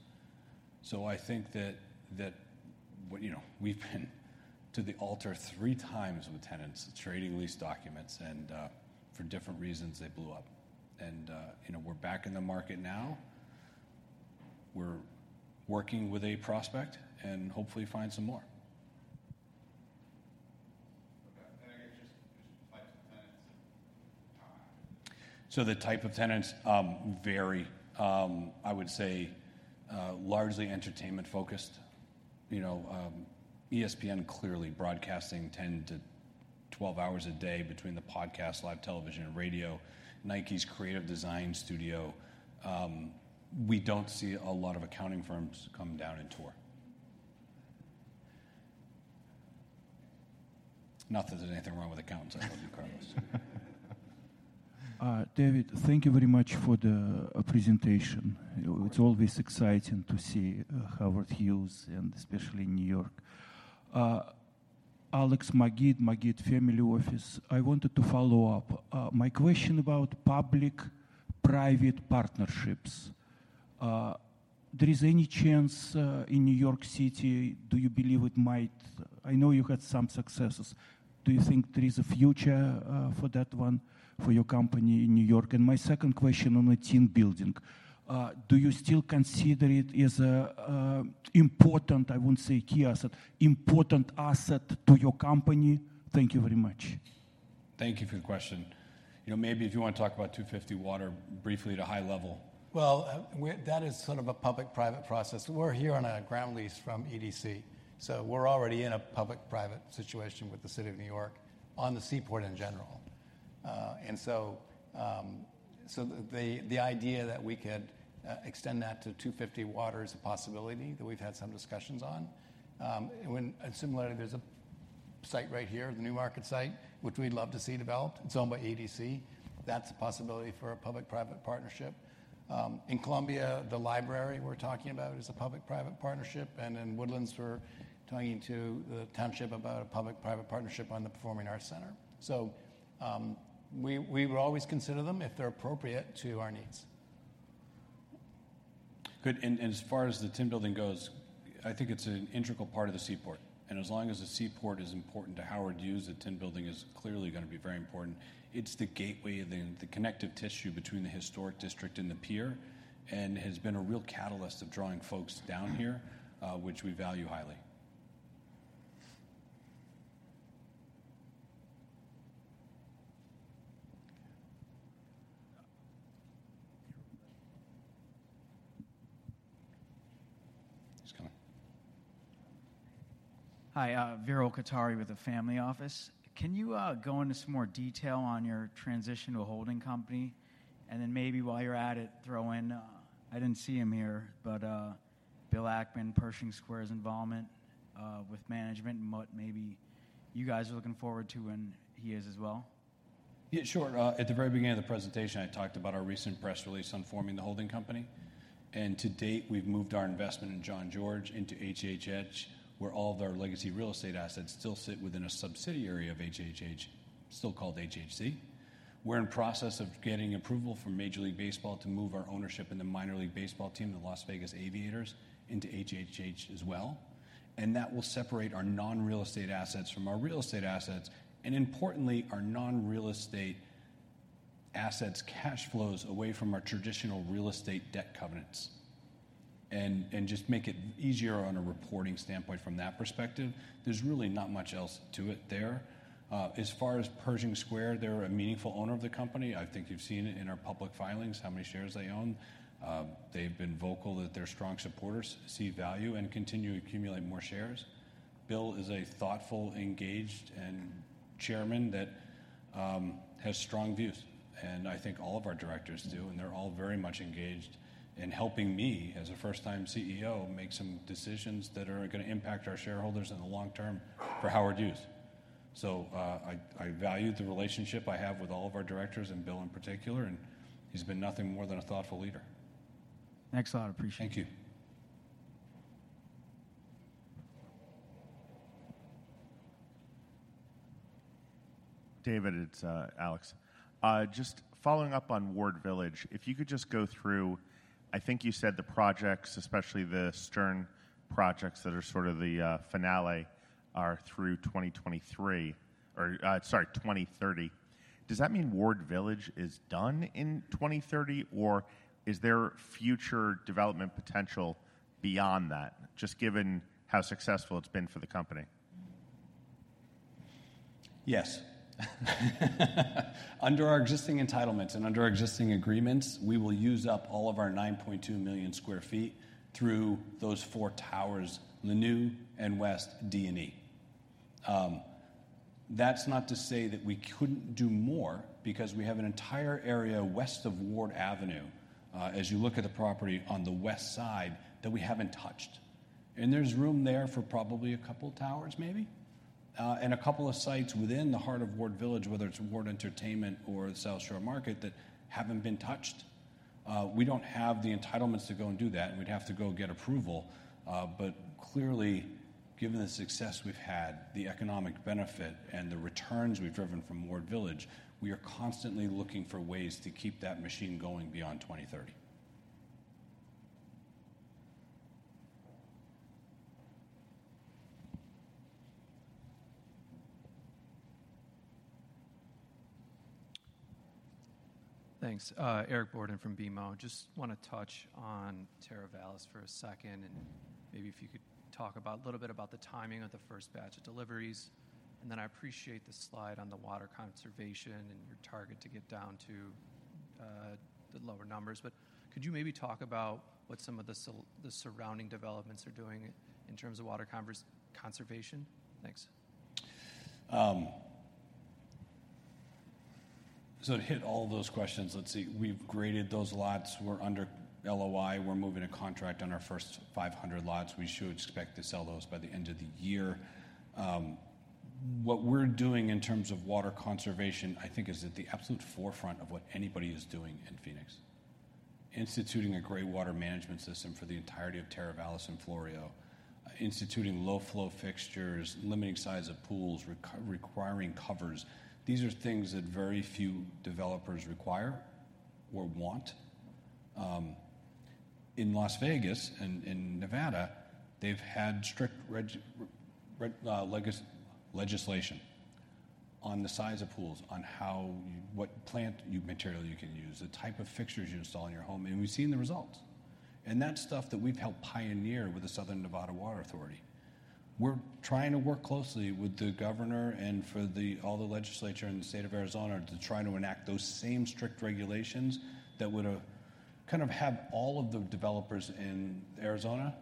So I think you know, we've been to the altar three times with tenants, trading lease documents, and for different reasons, they blew up. You know, we're back in the market now. We're working with a prospect and hopefully find some more. Okay, and I guess just types of tenants and time. So the type of tenants vary. I would say largely entertainment-focused. You know, ESPN clearly broadcasting 10-12 hours a day between the podcast, live television, and radio. Nike's creative design studio. We don't see a lot of accounting firms come down and tour. Not that there's anything wrong with accountants. I love you, Carlos. David, thank you very much for the presentation. Of course. It's always exciting to see, Howard Hughes, and especially in New York. Alex Majeed, Majeed Family Office. I wanted to follow up. My question about public-private partnerships. There is any chance, in New York City, do you believe it might. I know you had some successes. Do you think there is a future, for that one, for your company in New York? And my second question on the Tin Building. Do you still consider it as a, important, I wouldn't say key asset, important asset to your company? Thank you very much. Thank you for your question. You know, maybe if you want to talk about 250 Water briefly at a high level. Well, that is sort of a public-private process. We're here on a ground lease from EDC, so we're already in a public-private situation with the city of New York on the Seaport in general. The idea that we could extend that to 250 Water is a possibility that we've had some discussions on. And similarly, there's a site right here, the New Market site, which we'd love to see developed. It's owned by EDC. That's a possibility for a public-private partnership. In Columbia, the library we're talking about is a public-private partnership, and in Woodlands, we're talking to the township about a public-private partnership on the performing arts center. So, we would always consider them if they're appropriate to our needs. Good. And as far as the Tin Building goes, I think it's an integral part of the Seaport. And as long as the Seaport is important to Howard Hughes, the Tin Building is clearly gonna be very important. It's the gateway and the connective tissue between the historic district and the pier, and has been a real catalyst of drawing folks down here, which we value highly. He's coming. Hi, Vero Capital with the family office. Can you go into some more detail on your transition to a holding company? And then maybe while you're at it, throw in, I didn't see him here, but, Bill Ackman, Pershing Square's involvement, with management, and what maybe you guys are looking forward to, and he is as well? Yeah, sure. At the very beginning of the presentation, I talked about our recent press release on forming the holding company. And to date, we've moved our investment in Jean-Georges into HHH, where all of our legacy real estate assets still sit within a subsidiary of HHH, still called HHC. We're in process of getting approval from Major League Baseball to move our ownership in the Minor League Baseball team, the Las Vegas Aviators, into HHH as well. And that will separate our non-real estate assets from our real estate assets, and importantly, our non-real estate assets' cash flows away from our traditional real estate debt covenants, and just make it easier on a reporting standpoint from that perspective. There's really not much else to it there. As far as Pershing Square, they're a meaningful owner of the company. I think you've seen it in our public filings, how many shares they own. They've been vocal that their strong supporters see value and continue to accumulate more shares. Bill is a thoughtful, engaged, and chairman that has strong views, and I think all of our directors do, and they're all very much engaged in helping me, as a first-time CEO, make some decisions that are gonna impact our shareholders in the long term for Howard Hughes. So, I value the relationship I have with all of our directors, and Bill in particular, and he's been nothing more than a thoughtful leader. Excellent. I appreciate it. Thank you. David, it's, Alex. Just following up on Ward Village, if you could just go through. I think you said the projects, especially the Stern projects that are sort of the, finale, are through 2023, or, sorry, 2030. Does that mean Ward Village is done in 2030, or is there future development potential beyond that, just given how successful it's been for the company? Yes. Under our existing entitlements and under our existing agreements, we will use up all of our 9.2 million sq ft through those four towers, the N and West D and E. That's not to say that we couldn't do more, because we have an entire area west of Ward Avenue, as you look at the property on the west side that we haven't touched, and there's room there for probably a couple towers maybe. And a couple of sites within the heart of Ward Village, whether it's Ward Entertainment or the South Shore Market, that haven't been touched. We don't have the entitlements to go and do that, and we'd have to go get approval. But clearly, given the success we've had, the economic benefit, and the returns we've driven from Ward Village, we are constantly looking for ways to keep that machine going beyond 2030. Thanks. Eric Borden from BMO. Just wanna touch on Teravalis for a second, and maybe if you could talk about a little bit about the timing of the first batch of deliveries. And then I appreciate the slide on the water conservation and your target to get down to the lower numbers. But could you maybe talk about what some of the surrounding developments are doing in terms of water conservation? Thanks. So to hit all those questions, let's see. We've graded those lots. We're under LOI. We're moving a contract on our first 500 lots. We should expect to sell those by the end of the year. What we're doing in terms of water conservation, I think, is at the absolute forefront of what anybody is doing in Phoenix. Instituting a gray water management system for the entirety of Teravalis and Floreo, instituting low-flow fixtures, limiting size of pools, requiring covers. These are things that very few developers require or want. In Las Vegas and in Nevada, they've had strict legislation on the size of pools, on how what plant material you can use, the type of fixtures you install in your home, and we've seen the results. And that's stuff that we've helped pioneer with the Southern Nevada Water Authority. We're trying to work closely with the governor and for the, all the legislature in the state of Arizona to try to enact those same strict regulations that would, kind of have all of the developers in Arizona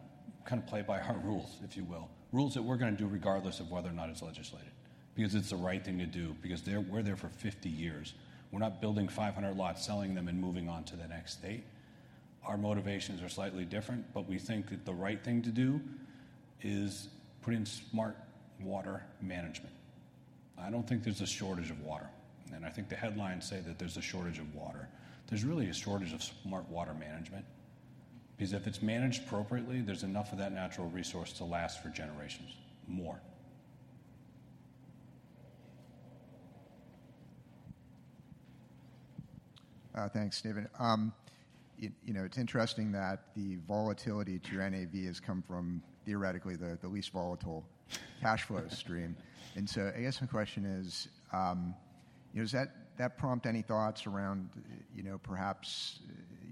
kind of play by our rules, if you will. Rules that we're gonna do regardless of whether or not it's legislated, because it's the right thing to do, because we're there for 50 years. We're not building 500 lots, selling them, and moving on to the next state. Our motivations are slightly different, but we think that the right thing to do is put in smart water management. I don't think there's a shortage of water, and I think the headlines say that there's a shortage of water. There's really a shortage of smart water management, because if it's managed appropriately, there's enough of that natural resource to last for generations more. Thanks, David. You know, it's interesting that the volatility to your NAV has come from, theoretically, the least volatile cash flow stream. And so I guess my question is, you know, does that prompt any thoughts around, you know, perhaps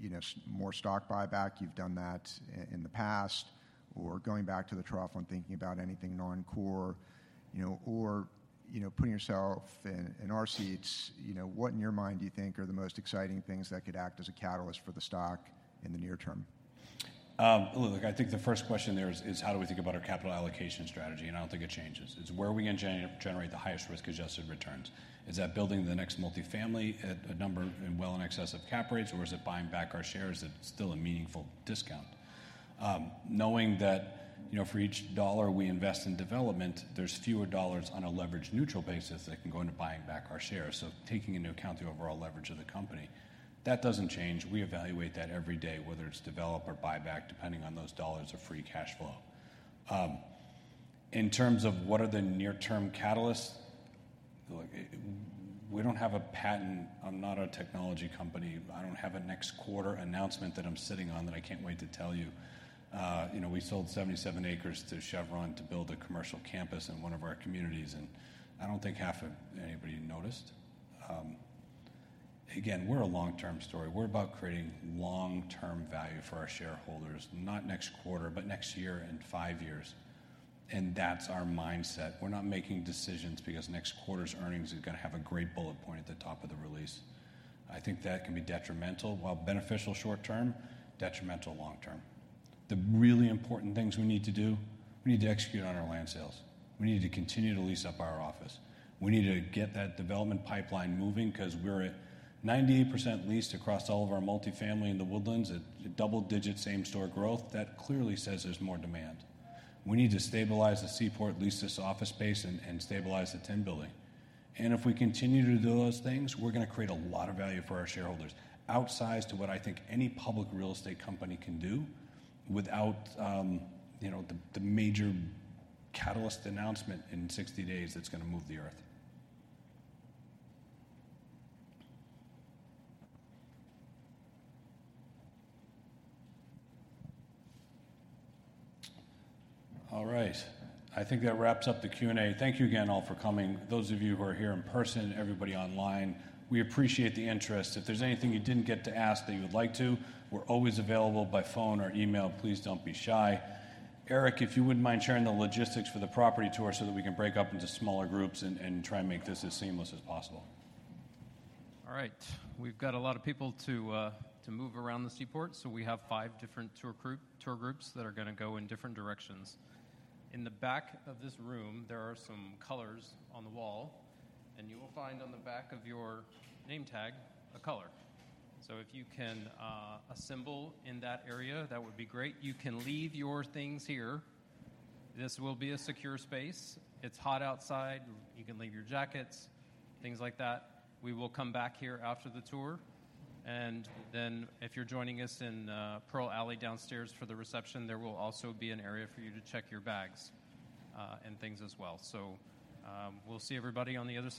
some more stock buyback? You've done that in the past. Or going back to the trough and thinking about anything non-core, you know. Or, you know, putting yourself in our seats, you know, what in your mind do you think are the most exciting things that could act as a catalyst for the stock in the near term? Look, I think the first question there is how do we think about our capital allocation strategy, and I don't think it changes. It's where are we gonna generate the highest risk-adjusted returns? Is that building the next multifamily at a number and well in excess of cap rates, or is it buying back our shares at still a meaningful discount? Knowing that, you know, for each dollar we invest in development, there's fewer dollars on a leverage-neutral basis that can go into buying back our shares. So taking into account the overall leverage of the company, that doesn't change. We evaluate that every day, whether it's develop or buyback, depending on those dollars of free cash flow. In terms of what are the near-term catalysts, look, we don't have a patent. I'm not a technology company. I don't have a next-quarter announcement that I'm sitting on that I can't wait to tell you. You know, we sold 77 acres to Chevron to build a commercial campus in one of our communities, and I don't think half of anybody noticed. Again, we're a long-term story. We're about creating long-term value for our shareholders, not next quarter, but next year and five years, and that's our mindset. We're not making decisions because next quarter's earnings are gonna have a great bullet point at the top of the release. I think that can be detrimental. While beneficial short term, detrimental long term. The really important things we need to do, we need to execute on our land sales. We need to continue to lease up our office. We need to get that development pipeline moving 'cause we're at 98% leased across all of our multifamily in The Woodlands at double-digit, same-store growth. That clearly says there's more demand. We need to stabilize the Seaport, lease this office space and stabilize the Tin Building. And if we continue to do those things, we're gonna create a lot of value for our shareholders, outsized to what I think any public real estate company can do without, you know, the major catalyst announcement in 60 days that's gonna move the earth. All right. I think that wraps up the Q&A. Thank you again all for coming. Those of you who are here in person, everybody online, we appreciate the interest. If there's anything you didn't get to ask that you would like to, we're always available by phone or email. Please don't be shy. Eric, if you wouldn't mind sharing the logistics for the property tour so that we can break up into smaller groups and try and make this as seamless as possible. All right. We've got a lot of people to move around the Seaport, so we have five different tour group, tour groups that are gonna go in different directions. In the back of this room, there are some colors on the wall, and you will find on the back of your name tag, a color. So if you can assemble in that area, that would be great. You can leave your things here. This will be a secure space. It's hot outside. You can leave your jackets, things like that. We will come back here after the tour, and then if you're joining us in Pearl Alley downstairs for the reception, there will also be an area for you to check your bags and things as well. So, we'll see everybody on the other side.